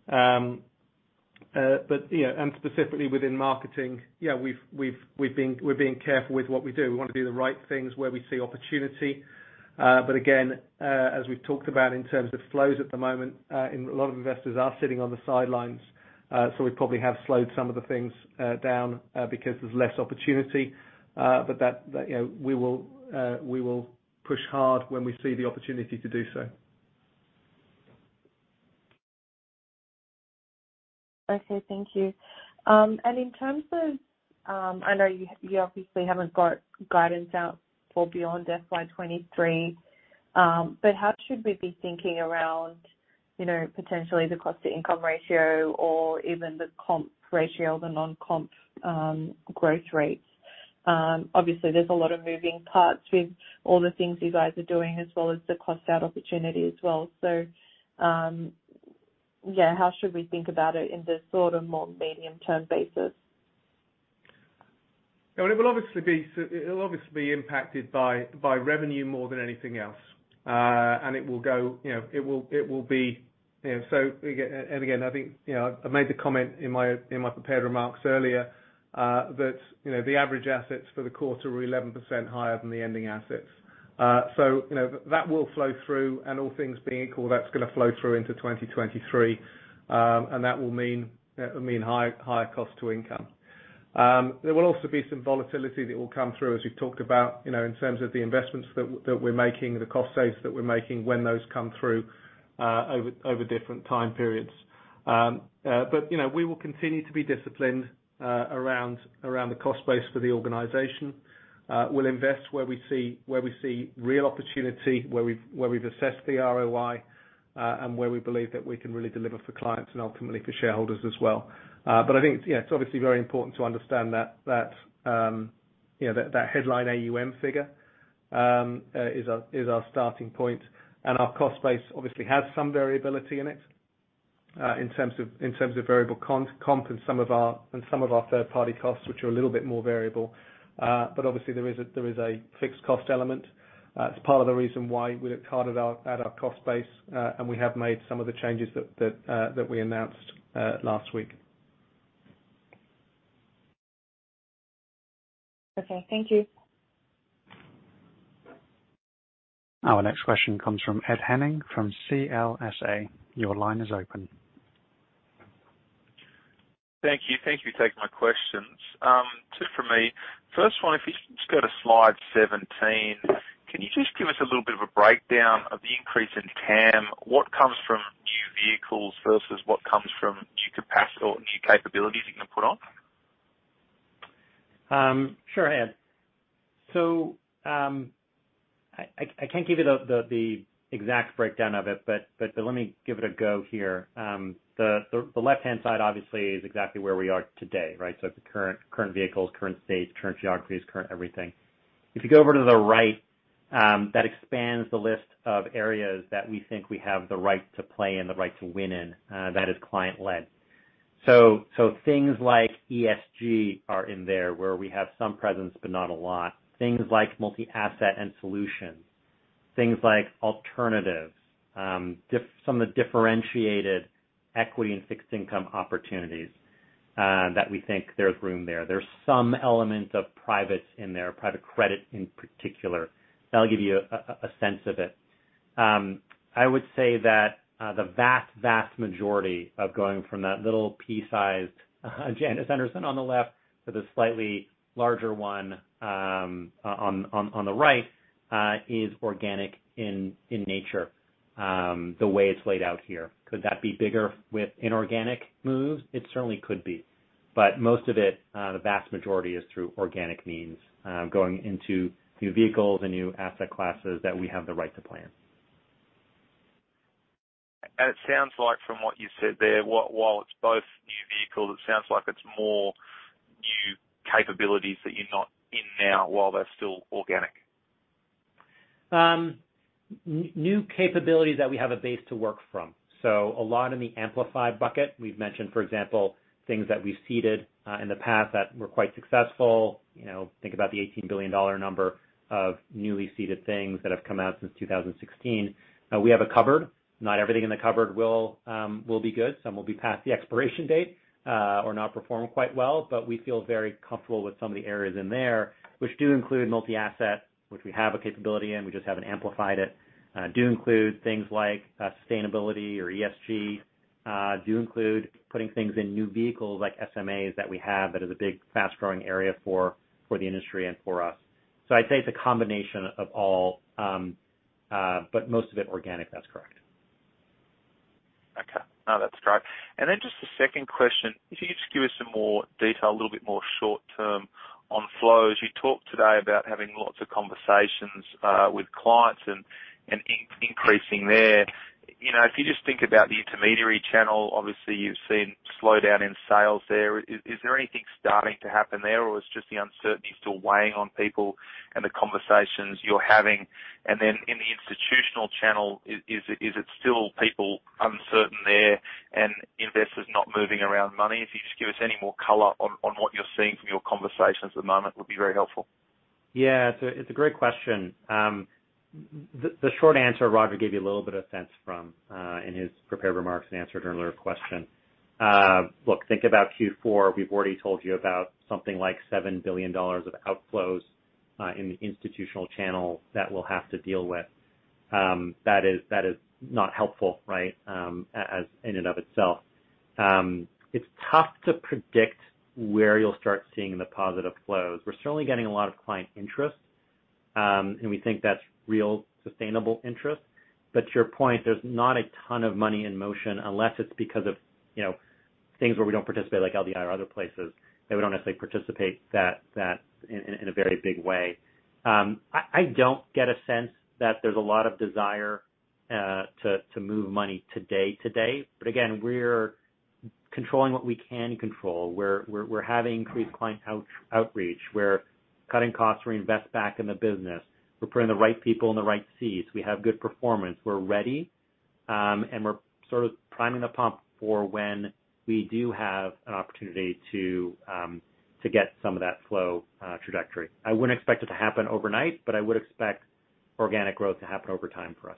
But yeah, and specifically within marketing, yeah, we've been, we're being careful with what we do. We wanna do the right things where we see opportunity. Again, as we've talked about in terms of flows at the moment, and a lot of investors are sitting on the sidelines, so we probably have slowed some of the things down, because there's less opportunity. That, you know, we will push hard when we see the opportunity to do so. Okay, thank you. In terms of, I know you obviously haven't got guidance out for beyond FY 2023, but how should we be thinking around, you know, potentially the cost to income ratio or even the comp ratio, the non-comp growth rates? Obviously there's a lot of moving parts with all the things you guys are doing as well as the cost out opportunity as well. Yeah, how should we think about it in the sort of more medium term basis? It will obviously be impacted by revenue more than anything else. I think I made the comment in my prepared remarks earlier that the average assets for the quarter were 11% higher than the ending assets. That will flow through and all things being equal, that's gonna flow through into 2023, and that will mean higher cost to income. There will also be some volatility that will come through as we've talked about in terms of the investments that we're making, the cost saves that we're making when those come through over different time periods. You know, we will continue to be disciplined around the cost base for the organization. We'll invest where we see real opportunity, where we've assessed the ROI, and where we believe that we can really deliver for clients and ultimately for shareholders as well. I think, yeah, it's obviously very important to understand that, you know, that headline AUM figure is our starting point. Our cost base obviously has some variability in it, in terms of variable comp and some of our third-party costs, which are a little bit more variable. Obviously there is a fixed cost element. It's part of the reason why we looked hard at our cost base, and we have made some of the changes that we announced last week. Okay, thank you. Our next question comes from Ed Henning from CLSA. Your line is open. Thank you. Thank you for taking my questions. Two from me. First one, if you just go to slide 17, can you just give us a little bit of a breakdown of the increase in TAM? What comes from new vehicles versus what comes from new capabilities you can put on? Sure, Ed. I can't give you the exact breakdown of it, but let me give it a go here. The left-hand side obviously is exactly where we are today, right? It's the current vehicles, current states, current geographies, current everything. If you go over to the right, that expands the list of areas that we think we have the right to play and the right to win in, that is client-led. Things like ESG are in there where we have some presence but not a lot. Things like multi-asset and solutions. Things like alternatives. Some of the differentiated equity and fixed income opportunities, that we think there's room there. There's some element of privates in there, private credit in particular. That'll give you a sense of it. I would say that the vast majority of going from that little pea-sized Janus Henderson on the left to the slightly larger one on the right is organic in nature, the way it's laid out here. Could that be bigger with inorganic moves? It certainly could be. Most of it, the vast majority is through organic means, going into new vehicles and new asset classes that we have the right to plan. It sounds like from what you said there, while it's both new vehicles, it sounds like it's more new capabilities that you're not in now while they're still organic. New capabilities that we have a base to work from. A lot in the amplified bucket. We've mentioned, for example, things that we've seeded in the past that were quite successful. You know, think about the $18 billion number of newly seeded things that have come out since 2016. We have a cupboard. Not everything in the cupboard will be good. Some will be past the expiration date or not perform quite well. We feel very comfortable with some of the areas in there, which do include multi-asset, which we have a capability in, we just haven't amplified it. Do include things like sustainability or ESG. Do include putting things in new vehicles like SMAs that we have that is a big fast-growing area for the industry and for us. I'd say it's a combination of all, but most of it organic. That's correct. Okay. No, that's great. Just a second question. If you could just give us some more detail, a little bit more short-term on flows. You talked today about having lots of conversations with clients and increasing there. You know, if you just think about the intermediary channel, obviously you've seen slowdown in sales there. Is there anything starting to happen there or is just the uncertainty still weighing on people and the conversations you're having? In the institutional channel is it still people uncertain there and investors not moving around money? If you just give us any more color on what you're seeing from your conversations at the moment would be very helpful. Yeah, it's a great question. The short answer, Roger gave you a little bit of sense from in his prepared remarks and answered an earlier question. Look, think about Q4. We've already told you about something like $7 billion of outflows in the institutional channel that we'll have to deal with. That is not helpful, right? As in and of itself. It's tough to predict where you'll start seeing the positive flows. We're certainly getting a lot of client interest, and we think that's real sustainable interest. But to your point, there's not a ton of money in motion unless it's because of, you know, things where we don't participate, like LDI or other places that we don't necessarily participate in a very big way. I don't get a sense that there's a lot of desire to move money today. Again, we're controlling what we can control. We're having increased client outreach. We're cutting costs to reinvest back in the business. We're putting the right people in the right seats. We have good performance. We're ready, and we're sort of priming the pump for when we do have an opportunity to get some of that flow trajectory. I wouldn't expect it to happen overnight, but I would expect organic growth to happen over time for us.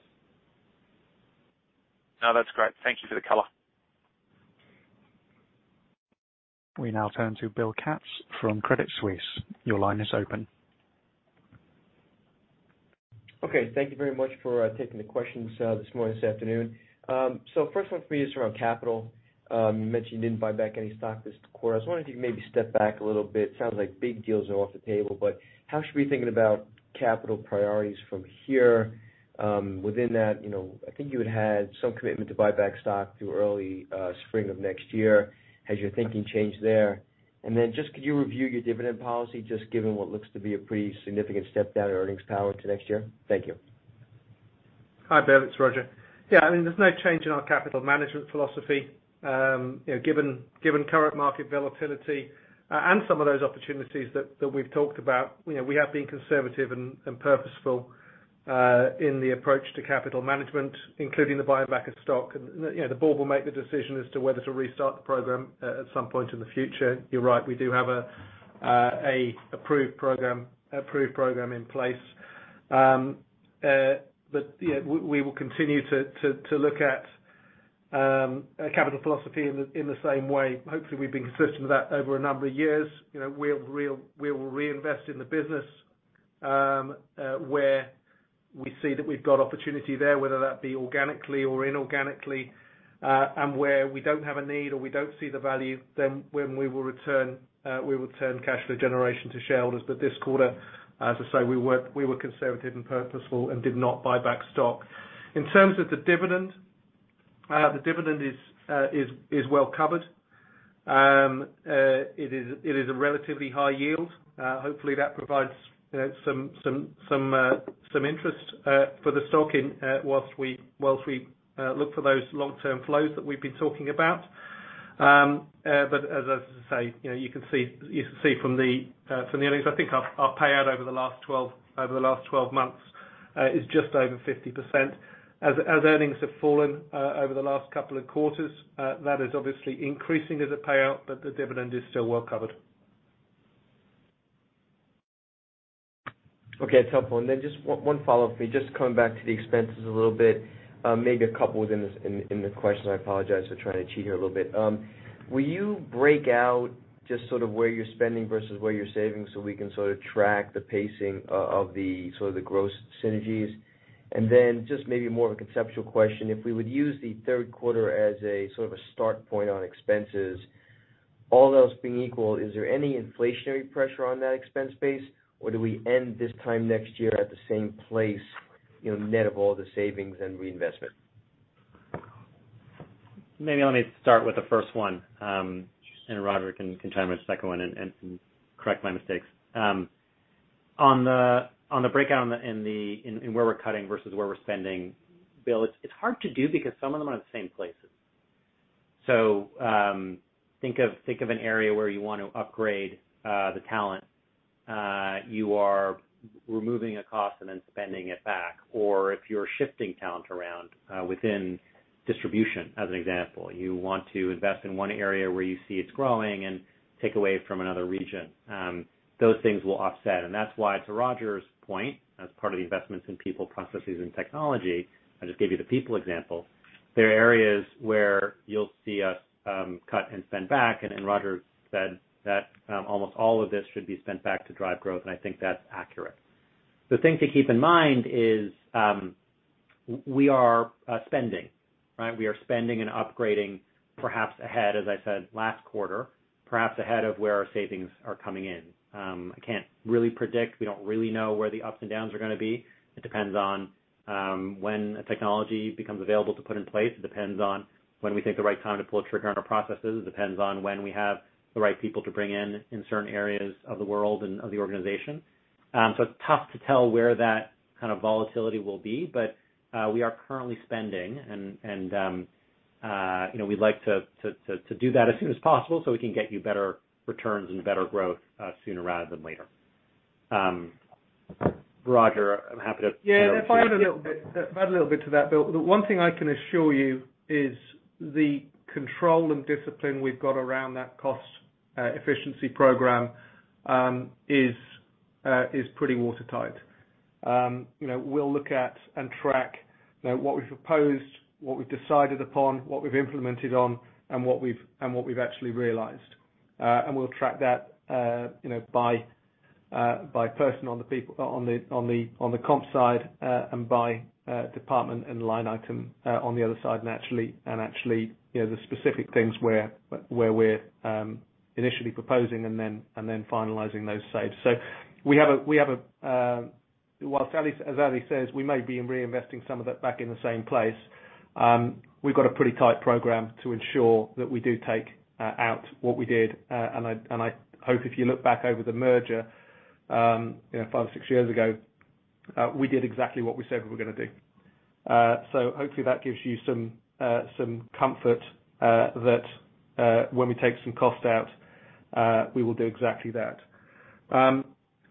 No, that's great. Thank you for the color. We now turn to William Katz from Credit Suisse. Your line is open. Okay. Thank you very much for taking the questions this morning, this afternoon. So first one for me is around capital. You mentioned you didn't buy back any stock this quarter. I was wondering if you could maybe step back a little bit. Sounds like big deals are off the table, but how should we be thinking about capital priorities from here? Within that, you know, I think you had some commitment to buy back stock through early spring of next year. Has your thinking changed there? Just could you review your dividend policy, just given what looks to be a pretty significant step down in earnings power to next year? Thank you. Hi, Bill. It's Roger. Yeah, I mean, there's no change in our capital management philosophy. You know, given current market volatility, and some of those opportunities that we've talked about, you know, we have been conservative and purposeful, in the approach to capital management, including the buyback of stock. You know, the board will make the decision as to whether to restart the program at some point in the future. You're right, we do have a approved program in place. But yeah, we will continue to look at our capital philosophy in the same way. Hopefully, we've been consistent with that over a number of years. You know, we will reinvest in the business, where we see that we've got opportunity there, whether that be organically or inorganically. Where we don't have a need or we don't see the value, then we will return cash flow generation to shareholders. This quarter, as I say, we were conservative and purposeful and did not buy back stock. In terms of the dividend, the dividend is well covered. It is a relatively high yield. Hopefully, that provides, you know, some interest for the stock in whilst we look for those long-term flows that we've been talking about. As I say, you know, you can see from the earnings, I think our payout over the last twelve months is just over 50%. As earnings have fallen over the last couple of quarters, that is obviously increasing as a payout, but the dividend is still well covered. Okay, that's helpful. Just one follow-up for you, just coming back to the expenses a little bit, maybe a couple within this, in the question, I apologize for trying to cheat here a little bit. Will you break out just sort of where you're spending versus where you're saving so we can sort of track the pacing of the sort of the gross synergies? Just maybe more of a conceptual question, if we would use the Q3 as a sort of a start point on expenses, all else being equal, is there any inflationary pressure on that expense base, or do we end this time next year at the same place, you know, net of all the savings and reinvestment? Maybe let me start with the first one, and Roger can chime in the second one and correct my mistakes. On the breakdown in where we're cutting versus where we're spending, Bill, it's hard to do because some of them are in the same places. Think of an area where you want to upgrade the talent. You are removing a cost and then spending it back. Or if you're shifting talent around within distribution as an example, you want to invest in one area where you see it's growing and take away from another region. Those things will offset. That's why to Roger's point, as part of the investments in people, processes and technology, I just gave you the people example, there are areas where you'll see us, cut and spend back, and Roger said that, almost all of this should be spent back to drive growth, and I think that's accurate. The thing to keep in mind is, we are spending, right? We are spending and upgrading perhaps ahead, as I said last quarter, perhaps ahead of where our savings are coming in. I can't really predict. We don't really know where the ups and downs are gonna be. It depends on, when a technology becomes available to put in place. It depends on when we think the right time to pull trigger on our processes. It depends on when we have the right people to bring in in certain areas of the world and of the organization. It's tough to tell where that kind of volatility will be. We are currently spending, you know, we'd like to do that as soon as possible, so we can get you better returns and better growth sooner rather than later. Roger, I'm happy to. Yeah. If I add a little bit to that, Bill. The one thing I can assure you is the control and discipline we've got around that cost efficiency program is pretty watertight. You know, we'll look at and track, you know, what we've proposed, what we've decided upon, what we've implemented on, and what we've actually realized. And we'll track that, you know, by person on the comp side, and by department and line item on the other side, and actually, you know, the specific things where we're initially proposing and then finalizing those saves. We have a, as Ali says, we may be reinvesting some of it back in the same place. We've got a pretty tight program to ensure that we do take out what we did. I hope if you look back over the merger, you know, five or six years ago, we did exactly what we said we were gonna do. Hopefully that gives you some comfort that when we take some cost out, we will do exactly that.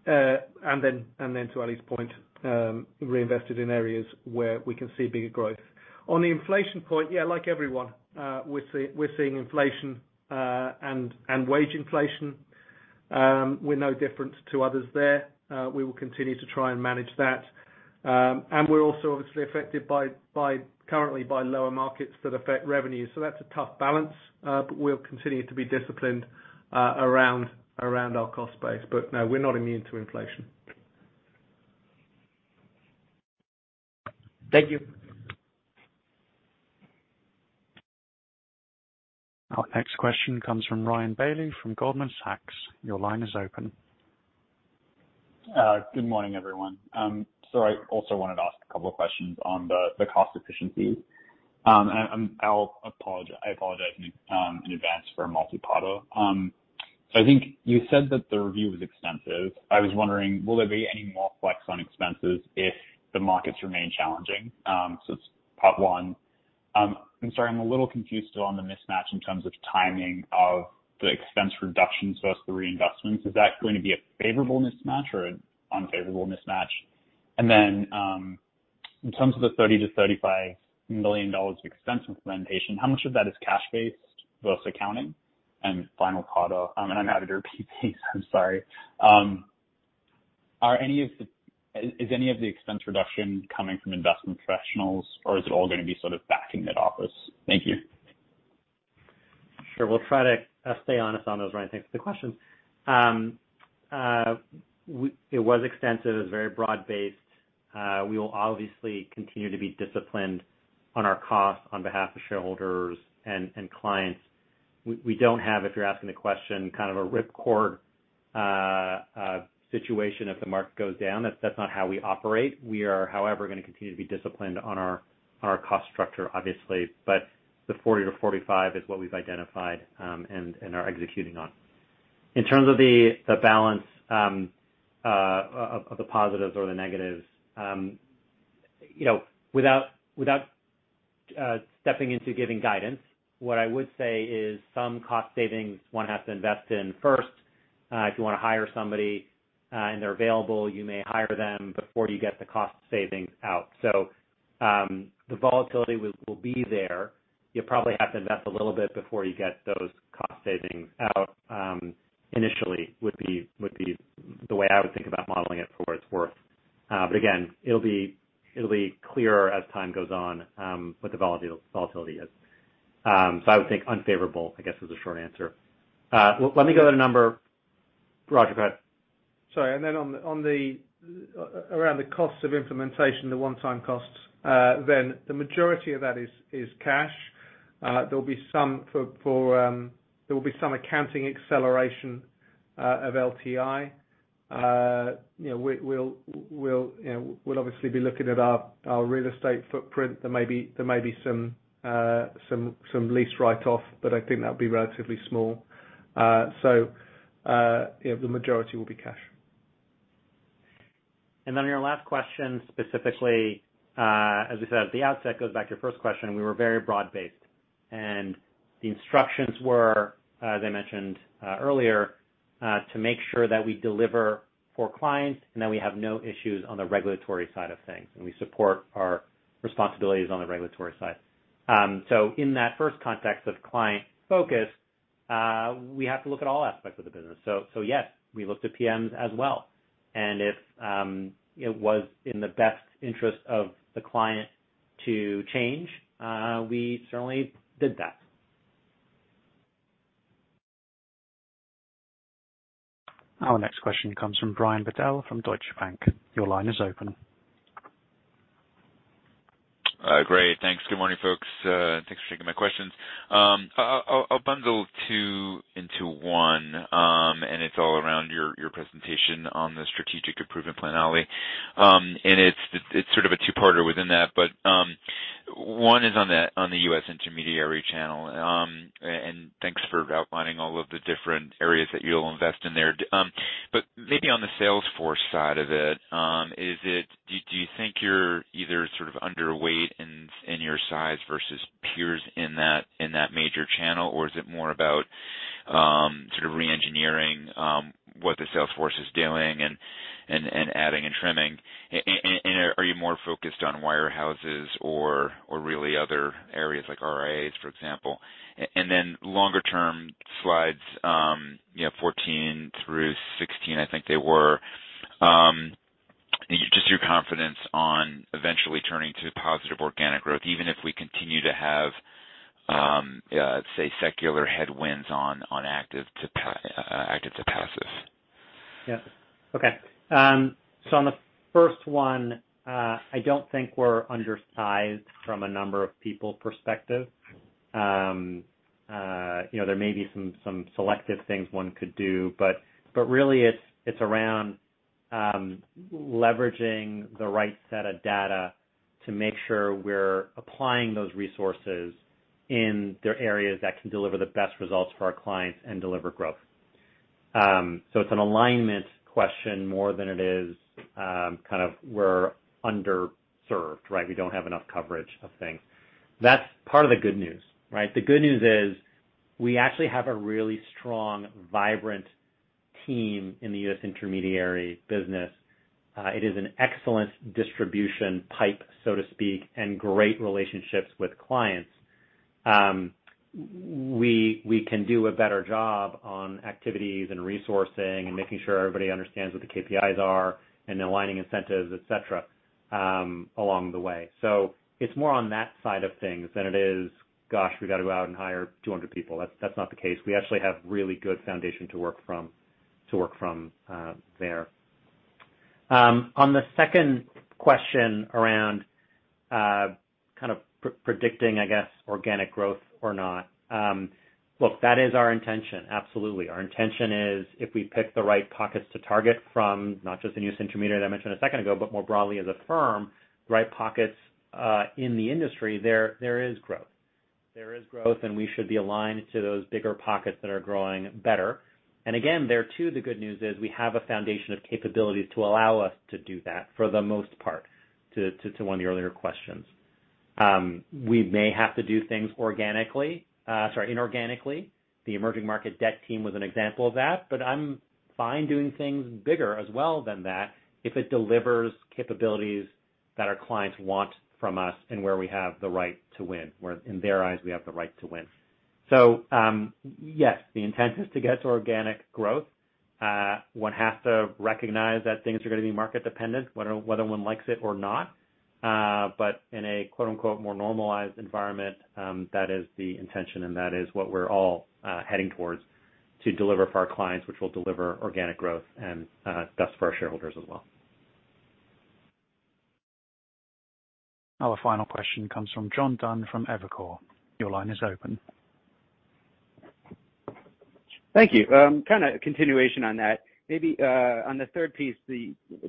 To Ali's point, reinvest it in areas where we can see bigger growth. On the inflation point, yeah, like everyone, we're seeing inflation and wage inflation. We're no different to others there. We will continue to try and manage that. We're also obviously affected by currently lower markets that affect revenue. That's a tough balance. We'll continue to be disciplined around our cost base. No, we're not immune to inflation. Thank you. Our next question comes from Ryan Bailey from Goldman Sachs. Your line is open. Good morning, everyone. I also wanted to ask a couple of questions on the cost efficiencies. I'll apologize in advance for a multiparter. I think you said that the review was extensive. I was wondering, will there be any more flex on expenses if the markets remain challenging? It's part one. I'm sorry, I'm a little confused still on the mismatch in terms of timing of the expense reduction versus the reinvestments. Is that going to be a favorable mismatch or an unfavorable mismatch? Then, in terms of the $30 million-$35 million of expense implementation, how much of that is cash based versus accounting? Final part, and I'm out of here, [PP], so I'm sorry. Is any of the expense reduction coming from investment professionals, or is it all gonna be sort of back office? Thank you. Sure. We'll try to stay honest on those, Ryan. Thanks for the question. It was extensive. It was very broad-based. We will obviously continue to be disciplined on our costs on behalf of shareholders and clients. We don't have, if you're asking the question, kind of a ripcord situation if the market goes down. That's not how we operate. We are, however, gonna continue to be disciplined on our cost structure, obviously. The $40 million-$45 million is what we've identified and are executing on. In terms of the balance of the positives or the negatives, you know, without stepping into giving guidance, what I would say is some cost savings one has to invest in first. If you wanna hire somebody, and they're available, you may hire them before you get the cost savings out. The volatility will be there. You'll probably have to invest a little bit before you get those cost savings out, initially would be the way I would think about modeling it for what it's worth. Again, it'll be clearer as time goes on, what the volatility is. I would think unfavorable, I guess is the short answer. Let me go to the number. Roger, go ahead. Around the costs of implementation, the one-time costs, then the majority of that is cash. There will be some accounting acceleration of LTI. You know, we'll obviously be looking at our real estate footprint. There may be some lease write off, but I think that would be relatively small. The majority will be cash. On your last question, specifically, as we said at the outset, goes back to your first question, we were very broad-based. The instructions were, as I mentioned, earlier, to make sure that we deliver for clients and that we have no issues on the regulatory side of things, and we support our responsibilities on the regulatory side. In that first context of client focus, we have to look at all aspects of the business. Yes, we looked at PMs as well. If it was in the best interest of the client to change, we certainly did that. Our next question comes from Brian Bedell from Deutsche Bank. Your line is open. Great. Thanks. Good morning, folks. Thanks for taking my questions. I'll bundle two into one, and it's all around your presentation on the strategic improvement plan, Ali. It's sort of a two-parter within that, but one is on the U.S. intermediary channel. Thanks for outlining all of the different areas that you'll invest in there. Maybe on the sales force side of it, is it? Do you think you're either sort of underweight in your size versus peers in that major channel? Or is it more about sort of reengineering what the sales force is doing and adding and trimming? Are you more focused on wirehouses or really other areas like RIAs, for example? longer term slides, you know, 14 through 16, I think they were, just your confidence on eventually turning to positive organic growth, even if we continue to have, say, secular headwinds on active to passive. Yeah. Okay. On the first one, I don't think we're undersized from a number of people perspective. You know, there may be some selective things one could do, but really it's around leveraging the right set of data to make sure we're applying those resources in the areas that can deliver the best results for our clients and deliver growth. It's an alignment question more than it is kind of we're underserved, right? We don't have enough coverage of things. That's part of the good news, right? The good news is we actually have a really strong, vibrant team in the U.S. intermediary business. It is an excellent distribution pipe, so to speak, and great relationships with clients. We can do a better job on activities and resourcing and making sure everybody understands what the KPIs are and aligning incentives, et cetera, along the way. It's more on that side of things than it is, gosh, we got to go out and hire 200 people. That's not the case. We actually have really good foundation to work from there. On the second question around kind of predicting, I guess, organic growth or not, look, that is our intention. Absolutely. Our intention is if we pick the right pockets to target from not just the new intermediary I mentioned a second ago, but more broadly as a firm, right pockets in the industry, there is growth, and we should be aligned to those bigger pockets that are growing better. Again, there too, the good news is we have a foundation of capabilities to allow us to do that for the most part, to one of the earlier questions. We may have to do things organically, inorganically. The Emerging Market Debt team was an example of that, but I'm fine doing things bigger as well than that if it delivers capabilities that our clients want from us and where we have the right to win, where in their eyes we have the right to win. Yes, the intent is to get to organic growth. One has to recognize that things are gonna be market dependent, whether one likes it or not. In a quote-unquote "more normalized environment", that is the intention, and that is what we're all heading towards to deliver for our clients, which will deliver organic growth and thus for our shareholders as well. Our final question comes from John Dunn from Evercore ISI. Your line is open. Thank you. Kind of a continuation on that. Maybe on the third piece,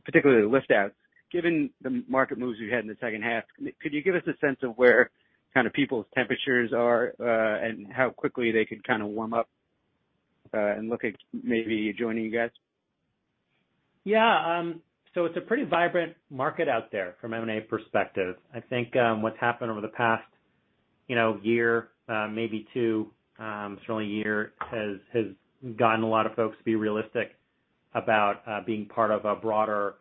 particularly the lift outs, given the market moves you had in the H2, could you give us a sense of where kind of people's temperatures are, and how quickly they could kind of warm up, and look at maybe joining you guys? Yeah. So it's a pretty vibrant market out there from an M&A perspective. I think, what's happened over the past, you know, year, maybe two, certainly a year has gotten a lot of folks to be realistic about being part of a broader,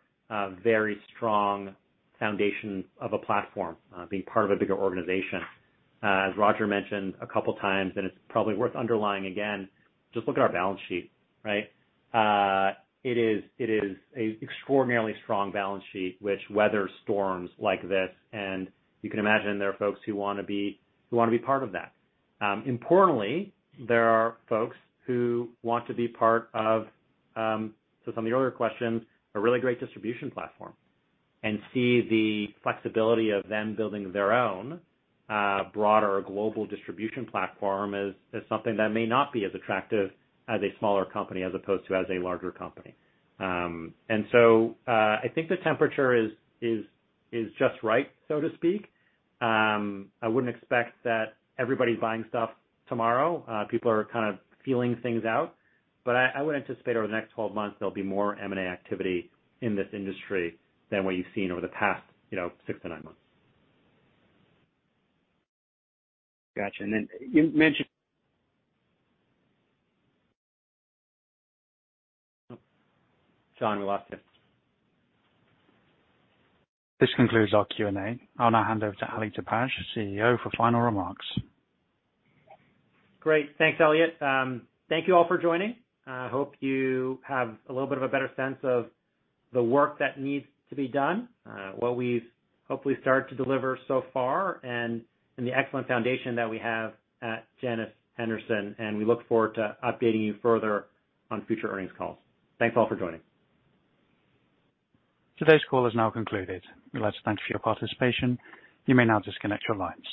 very strong foundation of a platform, being part of a bigger organization. As Roger mentioned a couple times, and it's probably worth underlining again, just look at our balance sheet, right? It is an extraordinarily strong balance sheet which weathers storms like this. You can imagine there are folks who wanna be part of that. Importantly, there are folks who want to be part of to some of the earlier questions, a really great distribution platform, and see the flexibility of them building their own broader global distribution platform as something that may not be as attractive as a smaller company as opposed to as a larger company. I think the temperature is just right, so to speak. I wouldn't expect that everybody's buying stuff tomorrow. People are kind of feeling things out. I would anticipate over the next 12 months, there'll be more M&A activity in this industry than what you've seen over the past, you know, six-nine months. Gotcha. You mentioned. John, we lost you. This concludes our Q&A. I'll now hand over to Ali Dibadj, CEO, for final remarks. Great. Thanks, Elliot. Thank you all for joining. I hope you have a little bit of a better sense of the work that needs to be done, what we've hopefully started to deliver so far and the excellent foundation that we have at Janus Henderson, and we look forward to updating you further on future earnings calls. Thanks all for joining. Today's call is now concluded. We'd like to thank you for your participation. You may now disconnect your lines.